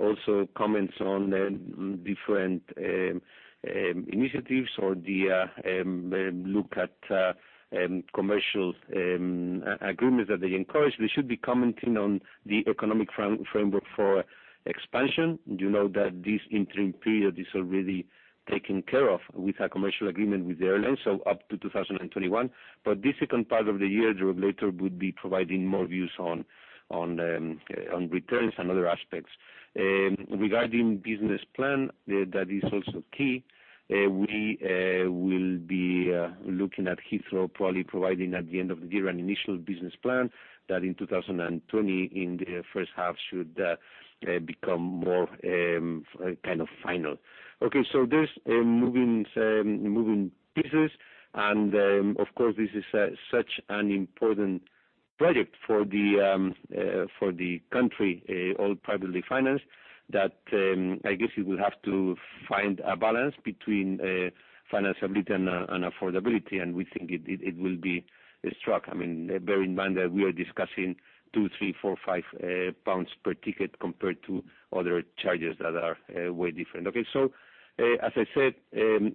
also comments on different initiatives or the look at commercial agreements that they encourage. They should be commenting on the economic framework for expansion. You know that this interim period is already taken care of with a commercial agreement with the airlines, so up to 2021. This second part of the year, the regulator would be providing more views on returns and other aspects. Regarding business plan, that is also key. We will be looking at Heathrow, probably providing at the end of the year an initial business plan that in 2020, in the first half, should become more kind of final. There's moving pieces, and of course, this is such an important project for the country, all privately financed, that I guess you will have to find a balance between financial return and affordability, and we think it will be struck. Bear in mind that we are discussing 2, 3, 4, 5 pounds per ticket compared to other charges that are way different. Okay. As I said,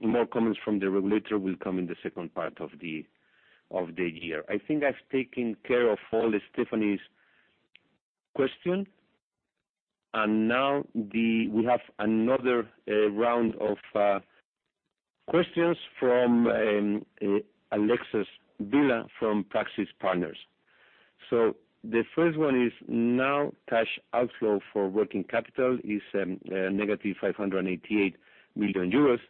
more comments from the regulator will come in the second part of the year. I think I've taken care of all Stéphanie's questions. Now, we have another round of questions from [Alexis Villa] from Praxis Partners. The first one is: Now cash outflow for working capital is negative 588 million euros.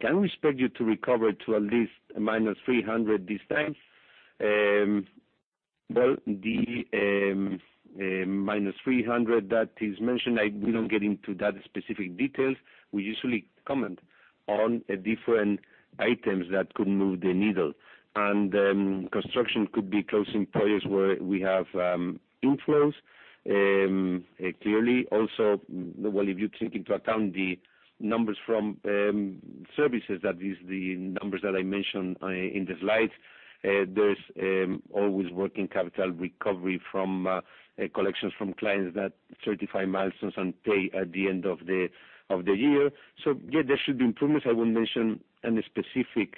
Can we expect you to recover to at least minus 300 this time? Well, the minus 300 that is mentioned, I will not get into that specific details. We usually comment on different items that could move the needle. Construction could be closing projects where we have inflows, clearly. Also, well, if you take into account the numbers from services, that is the numbers that I mentioned in the slides. There's always working capital recovery from collections from clients that certify milestones and pay at the end of the year. Yeah, there should be improvements. I won't mention any specific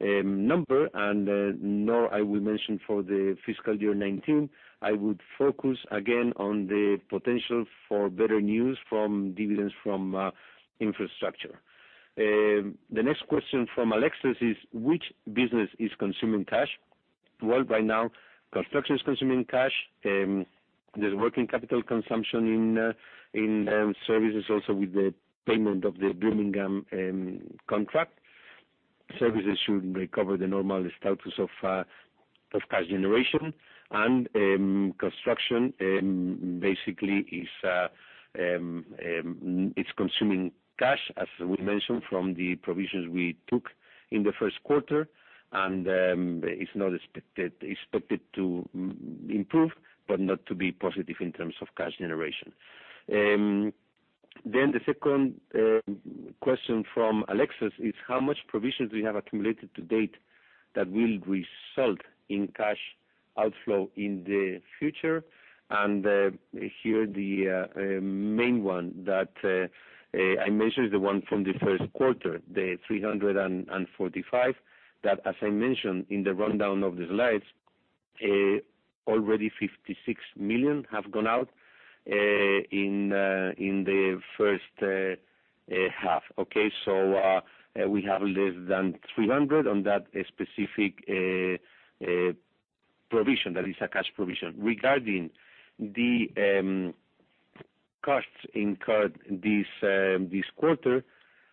number, and nor I will mention for the fiscal year 2019. I would focus again on the potential for better news from dividends from infrastructure. The next question from Alexis is: Which business is consuming cash? Well, right now, construction is consuming cash. There's working capital consumption in services also with the payment of the Birmingham contract. Services should recover the normal status of cash generation, construction basically is consuming cash, as we mentioned, from the provisions we took in the first quarter. It's not expected to improve, but not to be positive in terms of cash generation. The second question from Alexis is: How much provisions we have accumulated to date that will result in cash outflow in the future? Here, the main one that I mentioned is the one from the first quarter, the 345 million. That, as I mentioned in the rundown of the slides, already 56 million have gone out in the first half. Okay? We have less than 300 million on that specific provision. That is a cash provision. Regarding the costs incurred this quarter,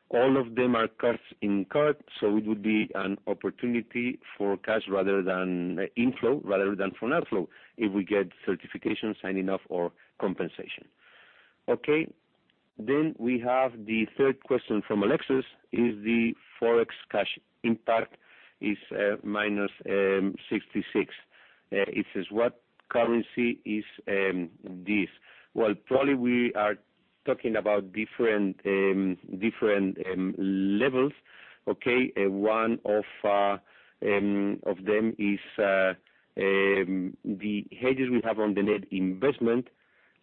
all of them are costs incurred, so it would be an opportunity for cash inflow rather than for an outflow, if we get certification, signing off or compensation. Okay. We have the third question from Alexis is: The Forex cash impact is minus 66 million. It says, what currency is this? Well, probably we are talking about different levels. Okay? One of them is the hedges we have on the net investment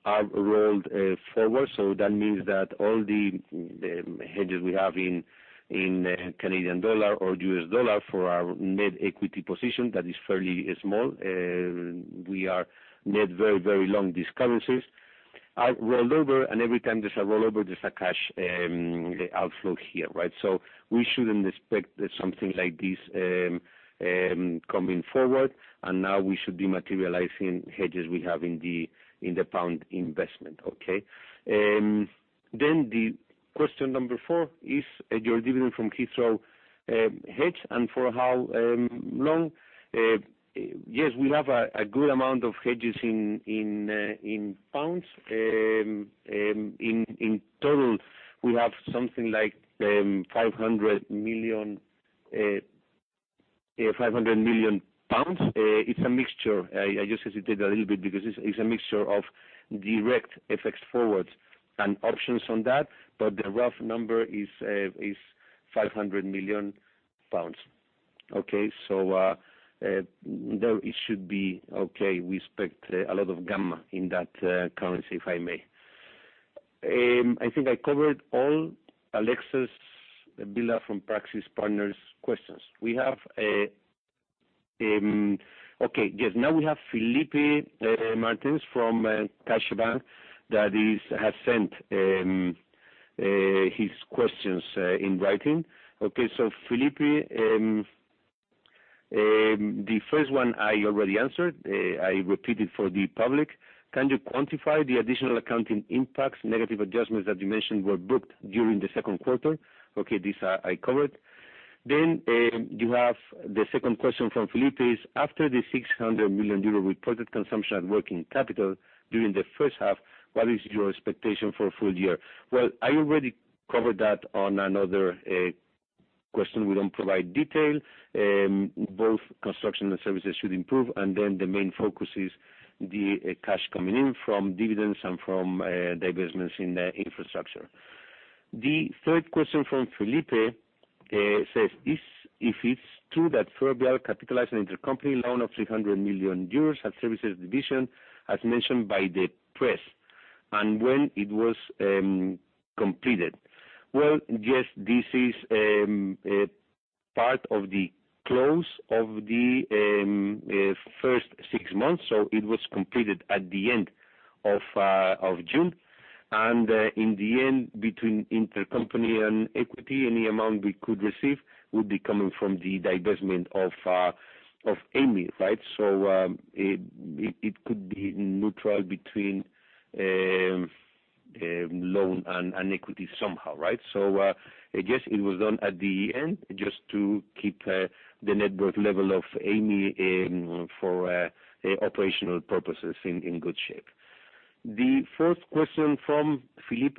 are rolled forward. That means that all the hedges we have in CAD dollar or U.S. dollar for our net equity position, that is fairly small. We are net very long. These currencies are rolled over, and every time there's a rollover, there's a cash outflow here. Right? We shouldn't expect something like this coming forward, and now we should be materializing hedges we have in the pounds investment. Okay? The question number four is: Your dividend from Heathrow hedged, and for how long? Yes, we have a good amount of hedges in pounds. In total, we have something like 500 million pounds. It's a mixture. I hesitated a little bit because it's a mixture of direct FX forwards and options on that, but the rough number is 500 million pounds. Okay. There it should be okay. We expect a lot of gamma in that currency, if I may. I think I covered all [Alexis Villa] from Praxis Partners questions. Okay, yes. We have Felipe Leite Martinsfrom CaixaBank that has sent his questions in writing. Felipe, the first one I already answered. I repeat it for the public. Can you quantify the additional accounting impacts, negative adjustments that you mentioned were booked during the second quarter? This I covered. You have the second question from Felipe is: After the 600 million euro reported consumption at working capital during the first half, what is your expectation for full year? Well, I already covered that on another question. We don't provide detail. Both construction and services should improve, the main focus is the cash coming in from dividends and from divestments in infrastructure. The third question from Felipe says: If it's true that Ferrovial capitalized an intercompany loan of 300 million euros at services division, as mentioned by the press, when it was completed. Well, yes, this is part of the close of the first six months. It was completed at the end of June. In the end, between intercompany and equity, any amount we could receive would be coming from the divestment of Amey. It could be neutral between loan and equity somehow. Yes, it was done at the end, just to keep the net worth level of Amey for operational purposes in good shape. The fourth question from Felipe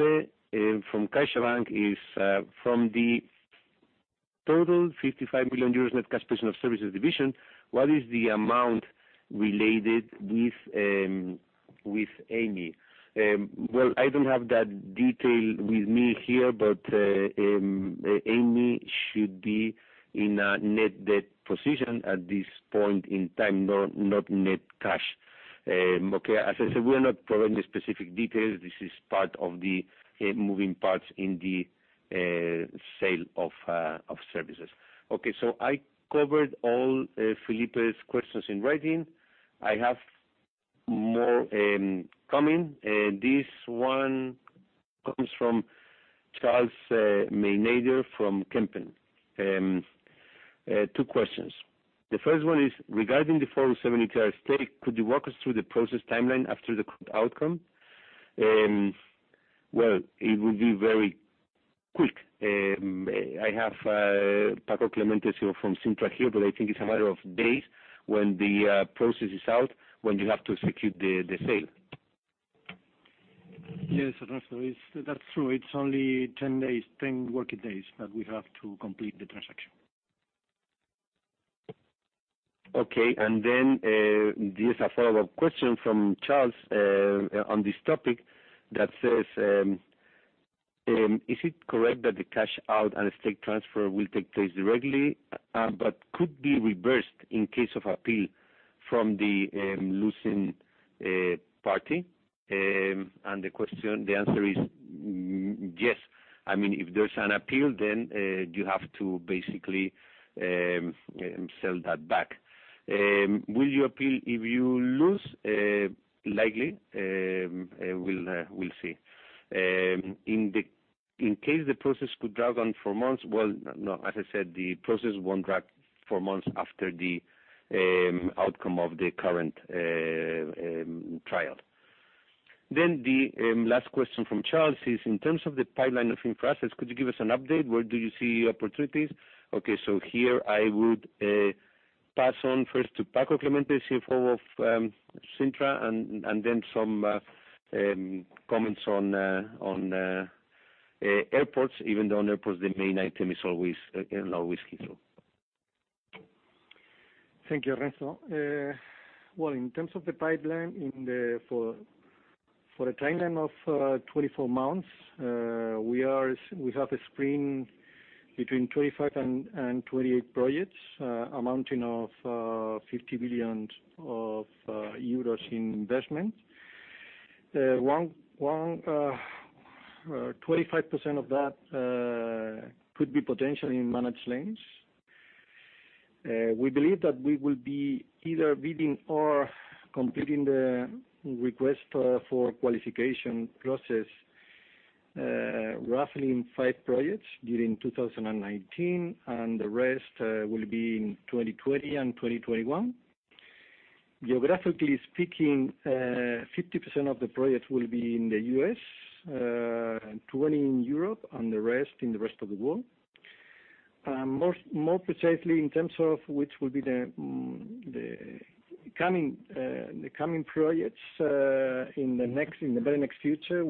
from CaixaBank is: from the total 55 million euros net cash position of services division, what is the amount related with Amey? Well, I don't have that detail with me here, but Amey should be in a net debt position at this point in time, not net cash. Okay. As I said, we're not providing specific details. This is part of the moving parts in the sale of services. Okay. I covered all Felipe's questions in writing. I have more coming. This one comes from Charles Maynadier from Kempen. Two questions. The first one is: regarding the 407 ETR stake, could you walk us through the process timeline after the outcome? Well, it will be very quick. I have Paco Clemente here from Cintra here. I think it's a matter of days when the process is out, when you have to execute the sale. Yes, Ernesto, that's true. It's only 10 working days that we have to complete the transaction. Okay, this is a follow-up question from Charles on this topic that says: is it correct that the cash out and stake transfer will take place directly, but could be reversed in case of appeal from the losing party? The answer is yes. If there's an appeal, you have to basically sell that back. Will you appeal if you lose? Likely. We'll see. In case the process could drag on for months? Well, no, as I said, the process won't drag for months after the outcome of the current trial. The last question from Charles is: in terms of the pipeline of infra assets, could you give us an update? Where do you see opportunities? Okay, here I would pass on first to Paco Clemente, CFO of Cintra, and then some comments on airports, even though on airports, the main item is always Heathrow. Thank you, Ernesto. Well, in terms of the pipeline, for a timeline of 24 months, we have a screen between 25 and 28 projects, amounting of 50 billion euros in investment. 25% of that could be potentially in managed lanes. We believe that we will be either bidding or completing the request for qualification process, roughly in five projects during 2019, and the rest will be in 2020 and 2021. Geographically speaking, 50% of the projects will be in the U.S., 20 in Europe, and the rest in the rest of the world. More precisely, in terms of which will be the coming projects in the very next future,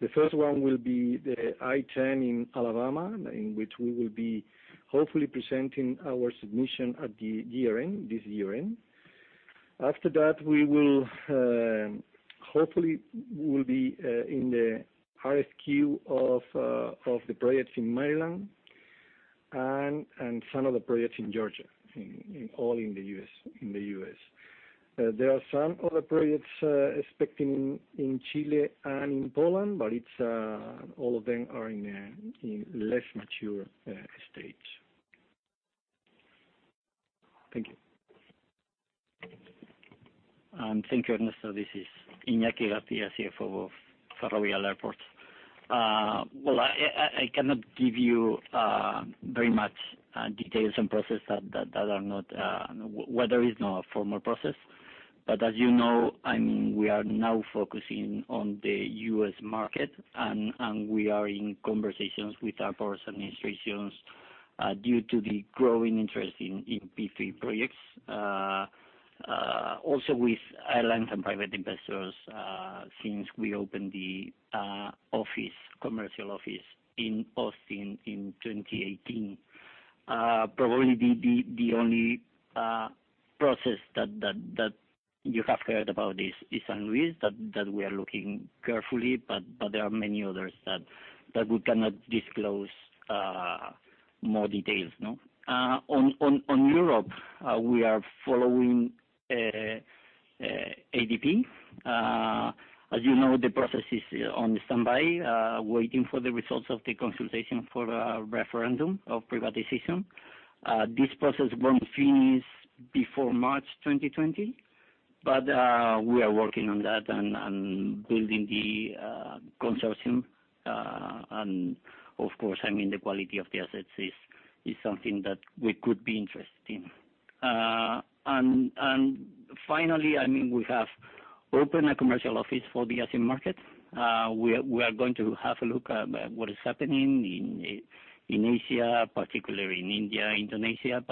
the first one will be the I-10 in Alabama, in which we will be hopefully presenting our submission at the year-end, this year-end. After that, we will hopefully be in the RFQ of the projects in Maryland and some of the projects in Georgia, all in the U.S. There are some other projects expected in Chile and in Poland, but all of them are in less mature stage. Thank you. Thank you, Ernesto. This is Iñaki García, CFO of Ferrovial Airports. Well, I cannot give you very much details on process where there is no formal process. As you know, we are now focusing on the U.S. market, and we are in conversations with airports administrations due to the growing interest in P3 projects. Also, with airlines and private investors, since we opened the commercial office in Boston in 2018. Probably the only process that you have heard about is San Luis, that we are looking carefully, but there are many others that we cannot disclose more details. On Europe, we are following ADP. As you know, the process is on standby, waiting for the results of the consultation for a referendum of privatization. This process won't finish before March 2020, but we are working on that and building the consortium. Of course, the quality of the assets is something that we could be interested in. Finally, we have opened a commercial office for the Asian market. We are going to have a look at what is happening in Asia, particularly in India, Indonesia.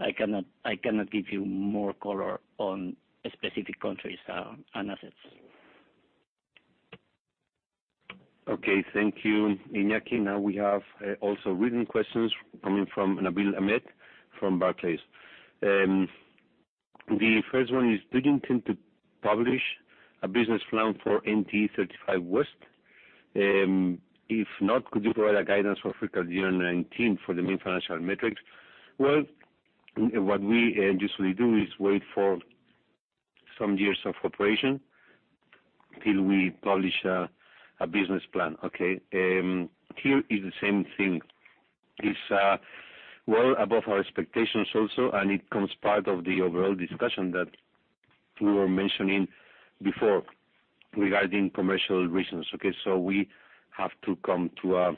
I cannot give you more color on specific countries and assets. Okay, thank you, Iñaki. We have also written questions coming from Nabil Ahmed from Barclays. The first one is: Do you intend to publish a business plan for NTE 35 West? Could you provide a guidance for full-year 2019 for the main financial metrics? What we usually do is wait for some years of operation till we publish a business plan, okay? Here is the same thing. It's well above our expectations also, it comes part of the overall discussion that we were mentioning before regarding commercial reasons. Okay. We have to come to a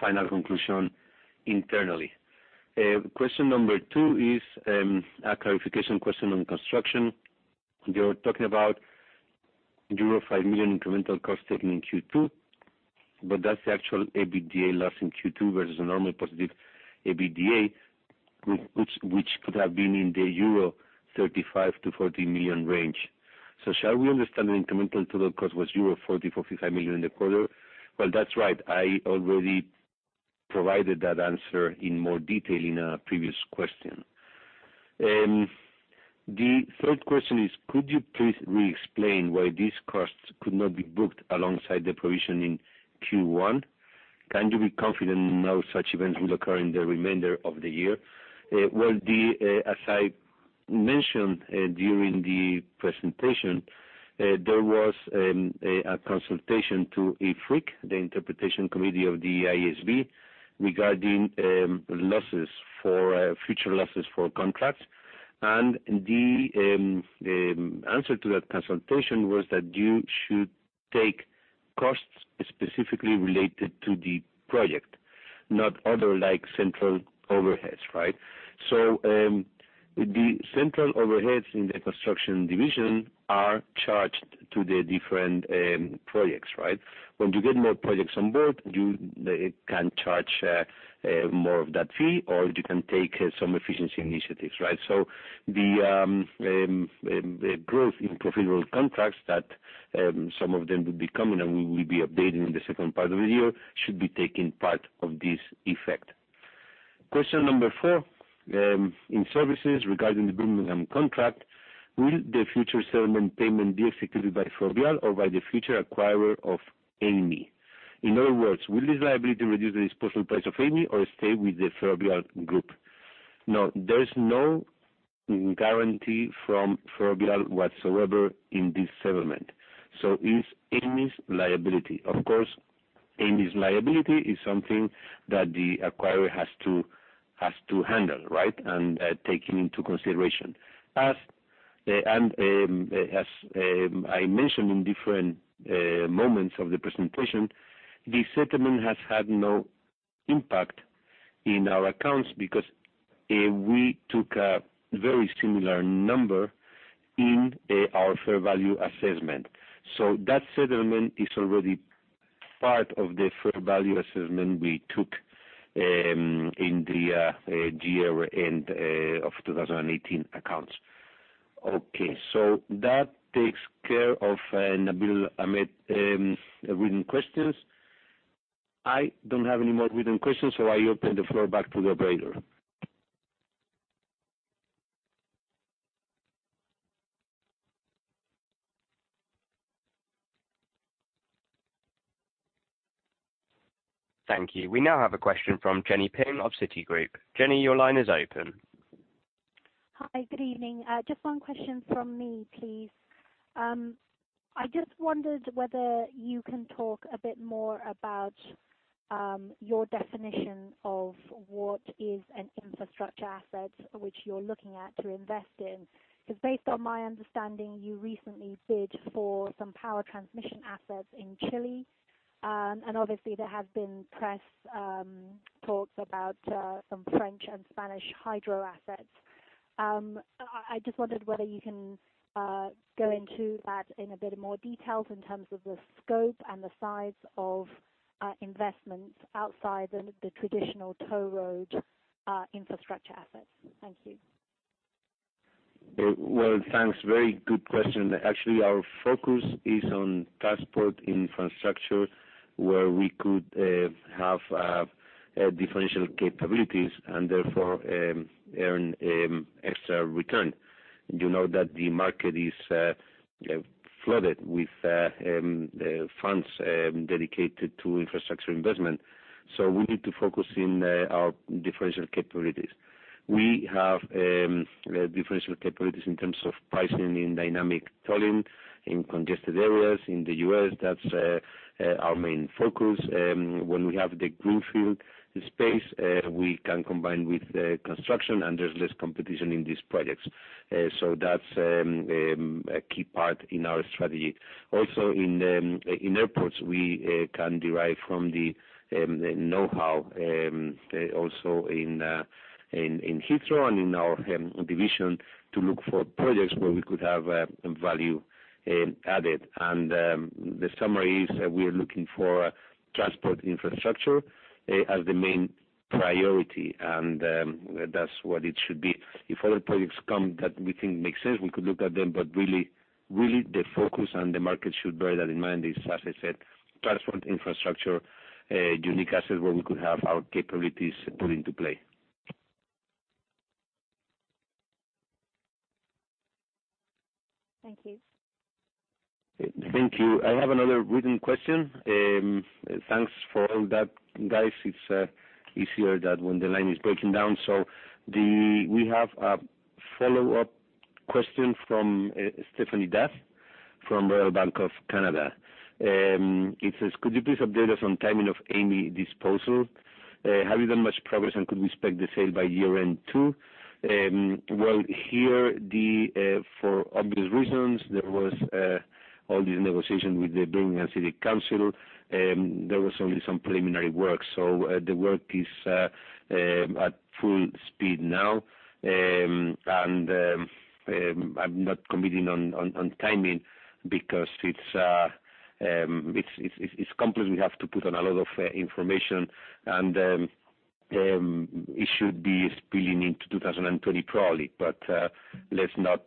final conclusion internally. Question number two is a clarification question on construction. You're talking about euro 5 million incremental cost taken in Q2, that's the actual EBITDA loss in Q2 versus a normal positive EBITDA, which could have been in the 35 million-40 million euro range. Shall we understand the incremental total cost was 40 million-45 million euro in the quarter? That's right. I already provided that answer in more detail in a previous question. The third question is: Could you please re-explain why these costs could not be booked alongside the provision in Q1? Can you be confident no such events will occur in the remainder of the year? As I mentioned during the presentation, there was a consultation to IFRIC, the interpretation committee of the IASB, regarding future losses for contracts. The answer to that consultation was that you should take costs specifically related to the project, not other, like central overheads, right? The central overheads in the construction division are charged to the different projects, right? When you get more projects on board, you can charge more of that fee, or you can take some efficiency initiatives, right? The growth in profitable contracts that some of them will be coming, and we will be updating in the second part of the year, should be taking part of this effect. Question number four: In services, regarding the Birmingham contract, will the future settlement payment be executed by Ferrovial or by the future acquirer of Amey? In other words, will this liability reduce the disposal price of Amey or stay with the Ferrovial Group? There's no guarantee from Ferrovial whatsoever in this settlement. It's Amey's liability. Of course, Amey's liability is something that the acquirer has to handle, right, and take into consideration. As I mentioned in different moments of the presentation, the settlement has had no impact in our accounts because we took a very similar number in our fair value assessment. That settlement is already part of the fair value assessment we took in the year-end of 2018 accounts. Okay, that takes care of Nabil Ahmed written questions. I don't have any more written questions. I open the floor back to the operator. Thank you. We now have a question from Jenny Ping of Citigroup. Jenny, your line is open. Hi, good evening. Just one question from me, please. I just wondered whether you can talk a bit more about your definition of what is an infrastructure asset which you're looking at to invest in. Based on my understanding, you recently bid for some power transmission assets in Chile, and obviously, there have been press talks about some French and Spanish hydro assets. I just wondered whether you can go into that in a bit more details in terms of the scope and the size of investments outside the traditional toll road infrastructure assets. Thank you. Well, thanks. Very good question. Actually, our focus is on transport infrastructure, where we could have differential capabilities and therefore earn extra return. You know that the market is flooded with funds dedicated to infrastructure investment. We need to focus in our differential capabilities. We have differential capabilities in terms of pricing in dynamic tolling in congested areas in the U.S. That's our main focus. When we have the greenfield space, we can combine with construction, and there's less competition in these projects. That's a key part in our strategy. Also in airports, we can derive from the know-how, also in Heathrow and in our division, to look for projects where we could have value added. The summary is we are looking for transport infrastructure as the main priority, and that's what it should be. If other projects come that we think make sense, we could look at them, but really the focus, and the market should bear that in mind, is, as I said, transport infrastructure, unique assets where we could have our capabilities put into play. Thank you. Thank you. I have another written question. Thanks for all that, guys. It's easier that when the line is breaking down. We have a follow-up question from Stéphanie D'Ath from Royal Bank of Canada. It says: Could you please update us on timing of Amey disposal? Have you done much progress, and could we expect the sale by year-end too? Well, here, for obvious reasons, there was all these negotiations with the Birmingham City Council. There was only some preliminary work. The work is at full speed now. I'm not committing on timing because it's complex. We have to put on a lot of information, and it should be spilling into 2020, probably. Let's not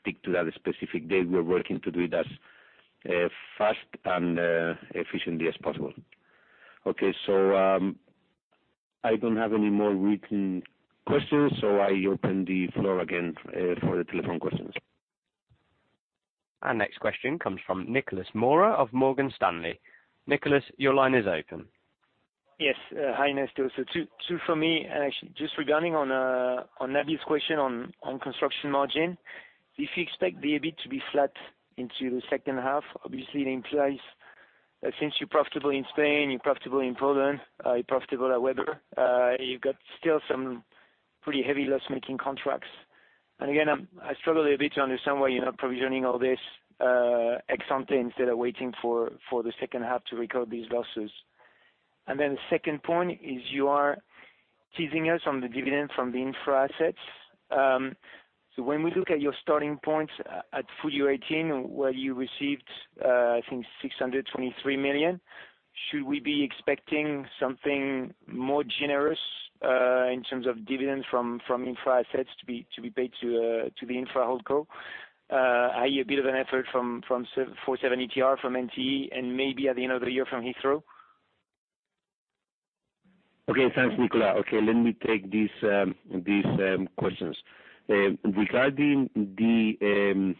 stick to that specific date. We're working to do it as fast and efficiently as possible. Okay. I don't have any more written questions, so I open the floor again for the telephone questions. Our next question comes from Nicolas Mora of Morgan Stanley. Nicolas, your line is open. Yes. Hi, Ernesto. Two from me. Actually, just regarding on Nabil's question on construction margin. If you expect the EBIT to be flat into the second half, obviously, it implies that since you're profitable in Spain, you're profitable in Poland, you're profitable at Webber, you've got still some pretty heavy loss-making contracts. Again, I struggle a bit to understand why you're not provisioning all this ex ante instead of waiting for the second half to recover these losses. Second point is you are teasing us on the dividend from the infra assets. When we look at your starting point at full-year 2018, where you received, I think, 623 million, should we be expecting something more generous in terms of dividends from infra-assets to be paid to the infra holdco? I hear a bit of an effort from 407 ETR from NTE, and maybe at the end of the year from Heathrow. Thanks, Nicolas. Let me take these questions. Regarding the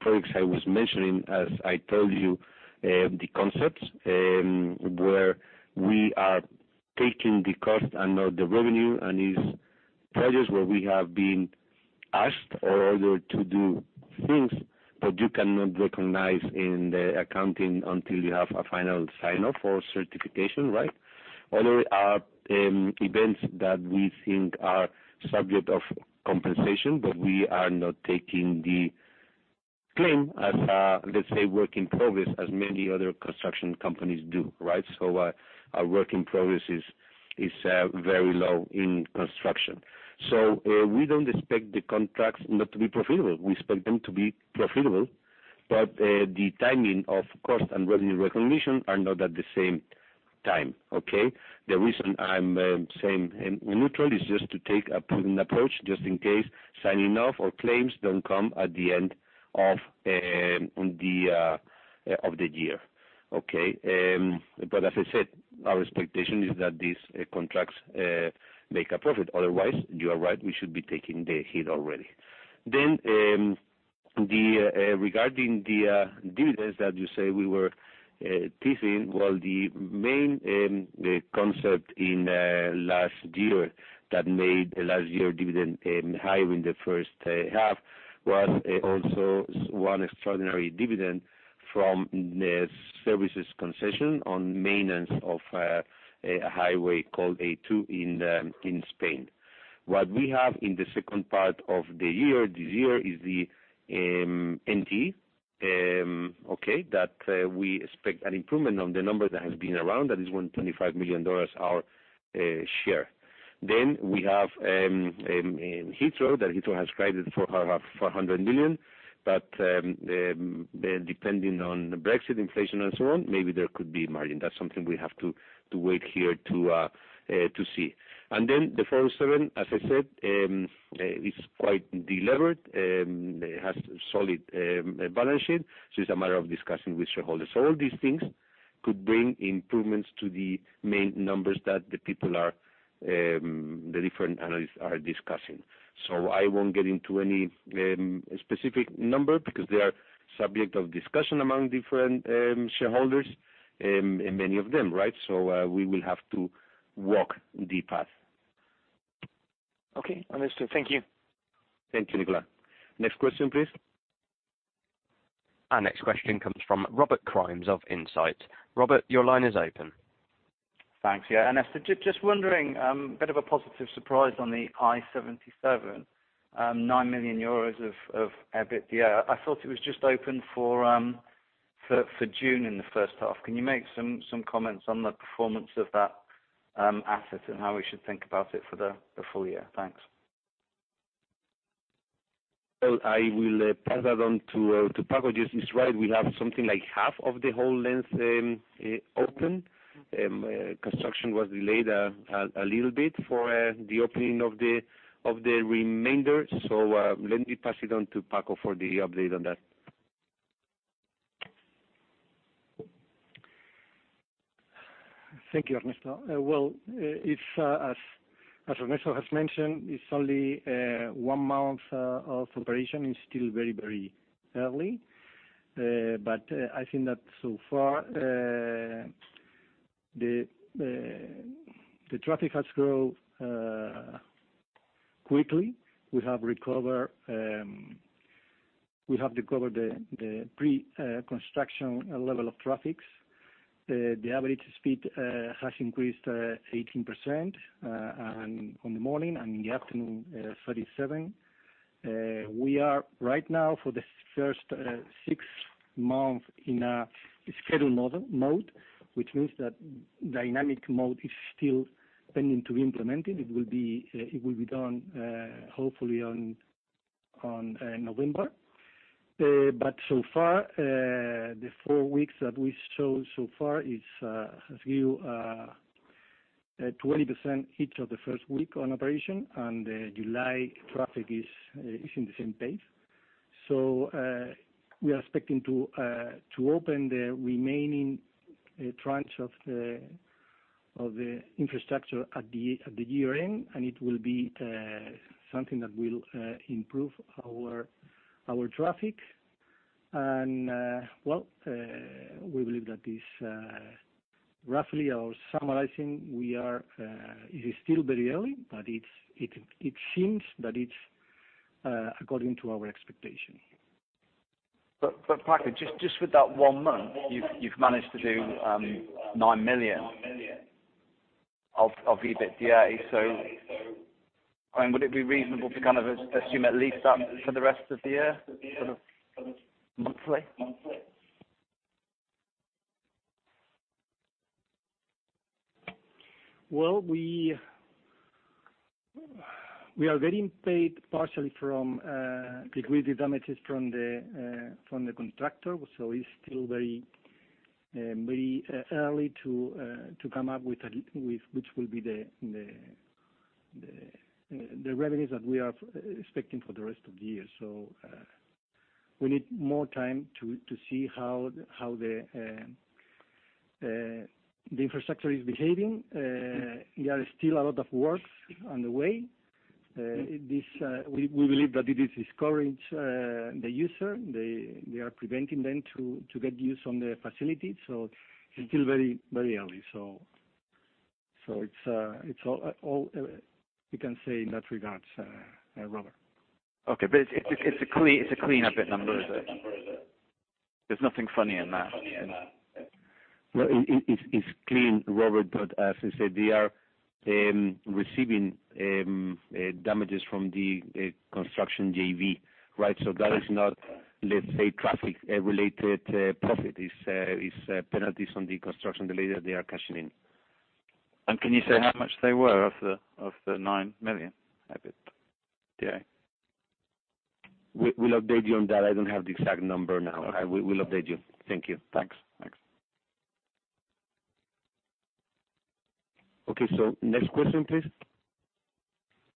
products I was mentioning, as I told you, the concepts where we are taking the cost and not the revenue, these projects where we have been asked or ordered to do things that you cannot recognize in the accounting until you have a final sign-off or certification, right? Although these are events that we think are subject of compensation, we are not taking the claim as, let's say, work in progress, as many other construction companies do, right? Our work in progress is very low in construction. We don't expect the contracts not to be profitable. We expect them to be profitable, the timing of cost and revenue recognition are not at the same time. The reason I'm saying neutral is just to take a prudent approach, just in case signing off or claims don't come at the end of the year, okay. As I said, our expectation is that these contracts make a profit. Otherwise, you are right, we should be taking the hit already. Regarding the dividends that you say we were teasing, well, the main concept in last year that made last year dividend higher in the first half was also one extraordinary dividend from a services concession on maintenance of a highway called A2 in Spain. What we have in the second part of the year, this year, is the NTE, okay. We expect an improvement on the number that has been around, that is EUR 125 million our share. We have Heathrow. Heathrow has guided for around 400 million. Depending on Brexit, inflation, and so on, maybe there could be margin. That's something we have to wait here to see. The 407, as I said, is quite delivered. It has solid balance sheet. It's a matter of discussing with shareholders. All these things could bring improvements to the main numbers that the people are, the different analysts are discussing. I won't get into any specific number because they are subject of discussion among different shareholders, and many of them, right? We will have to walk the path. Okay, Ernesto. Thank you. Thank you, Nicolas. Next question, please. Our next question comes from Robert Crimes of Insight. Robert, your line is open. Thanks. Yeah, Ernesto, just wondering, a bit of a positive surprise on the I-77, 9 million euros of EBITDA. I thought it was just open for June in the first half. Can you make some comments on the performance of that asset and how we should think about it for the full year? Thanks. Well, I will pass that on to Paco. Just this ride, we have something like half of the whole length open. Construction was delayed a little bit for the opening of the remainder. Let me pass it on to Paco for the update on that. Thank you, Ernesto. Well, as Ernesto has mentioned, it's only one month of operation. It's still very early. I think that so far, the traffic has grown quickly. We have recovered the pre-construction level of traffics. The average speed has increased 18% on the morning, and in the afternoon, 37%. We are, right now, for the first six months, in a scheduled mode, which means that dynamic mode is still pending to be implemented. It will be done hopefully in November. So far, the four weeks that we showed so far, have given 20% each of the first week on operation, and July traffic is in the same pace. We are expecting to open the remaining tranche of the infrastructure at the year-end, and it will be something that will improve our traffic. Well, we believe that is roughly our summarizing. It is still very early, but it seems that it's according to our expectation. But Paco, just with that one month, you've managed to do 9 million of EBITDA. Would it be reasonable to assume at least that for the rest of the year, sort of monthly? Well, we are getting paid partially from liquidity damages from the contractor, it is still very early to come up with which will be the revenues that we are expecting for the rest of the year. We need more time to see how the infrastructure is behaving. There is still a lot of work on the way. We believe that it is discouraging the user. They are preventing them to get use on the facility, it is still very early. It is all we can say in that regard, Robert. Okay. It's a clean EBIT number. There's nothing funny in that. It's clean, Robert, but as I said, they are receiving damages from the construction JV. That is not, let's say, traffic-related profit. It's penalties on the construction delay that they are cashing in. Can you say how much they were of the 9 million EBITDA? We'll update you on that. I don't have the exact number now. Okay. We'll update you. Thank you. Thanks. Okay. Next question, please.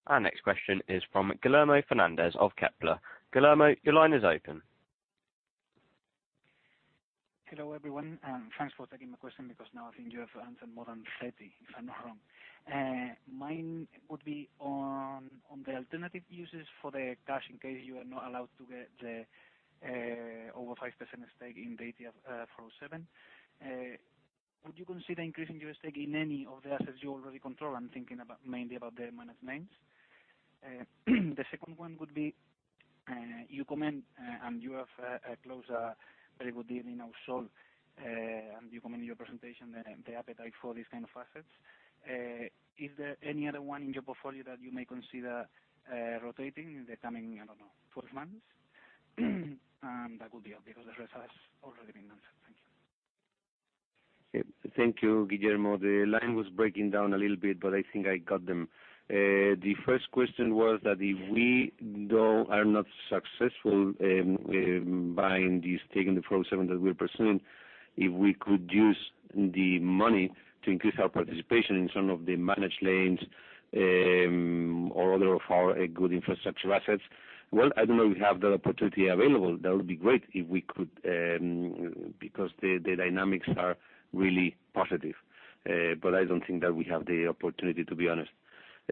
Our next question is from Guillermo Fernández of Kepler. Guillermo, your line is open. Hello, everyone. Thanks for taking my question because now I think you have answered more than 30, if I'm not wrong. Mine would be on the alternative uses for the cash in case you are not allowed to get the over 5% stake in the 407. Would you consider increasing your stake in any of the assets you already control? I'm thinking mainly about the managed lanes. The second one would be, you comment, you have closed a very good deal in Ausol, and you comment in your presentation the appetite for these kind of assets. Is there any other one in your portfolio that you may consider rotating in the coming, I don't know, 12 months? That would be all, because the rest has already been answered. Thank you. Thank you, Guillermo. The line was breaking down a little bit, but I think I got them. The first question was that if we are not successful in buying this stake in the 407 that we are pursuing, if we could use the money to increase our participation in some of the managed lanes or other of our good infrastructure assets. Well, I don't know if we have that opportunity available. That would be great if we could because the dynamics are really positive. I don't think that we have the opportunity, to be honest.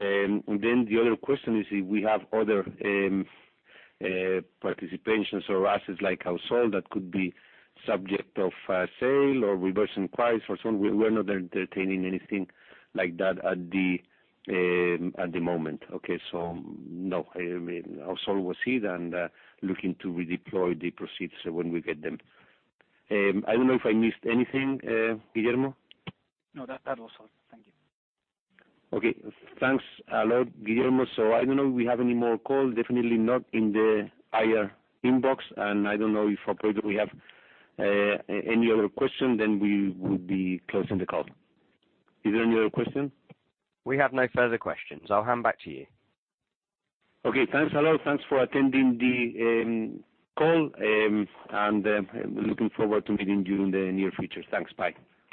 The other question is if we have other participations or assets like Ausol that could be subject of sale or reversion inquiries for Ausol. We're not entertaining anything like that at the moment. Okay. No, Ausol was it, and looking to redeploy the proceeds when we get them. I don't know if I missed anything, Guillermo. No, that was all. Thank you. Okay, thanks a lot, Guillermo. I don't know if we have any more calls, definitely not in the IR inbox, and I don't know if operator we have any other questions, then we will be closing the call. Is there any other questions? We have no further questions. I'll hand back to you. Okay. Thanks a lot. Thanks for attending the call, and looking forward to meeting you in the near future. Thanks. Bye.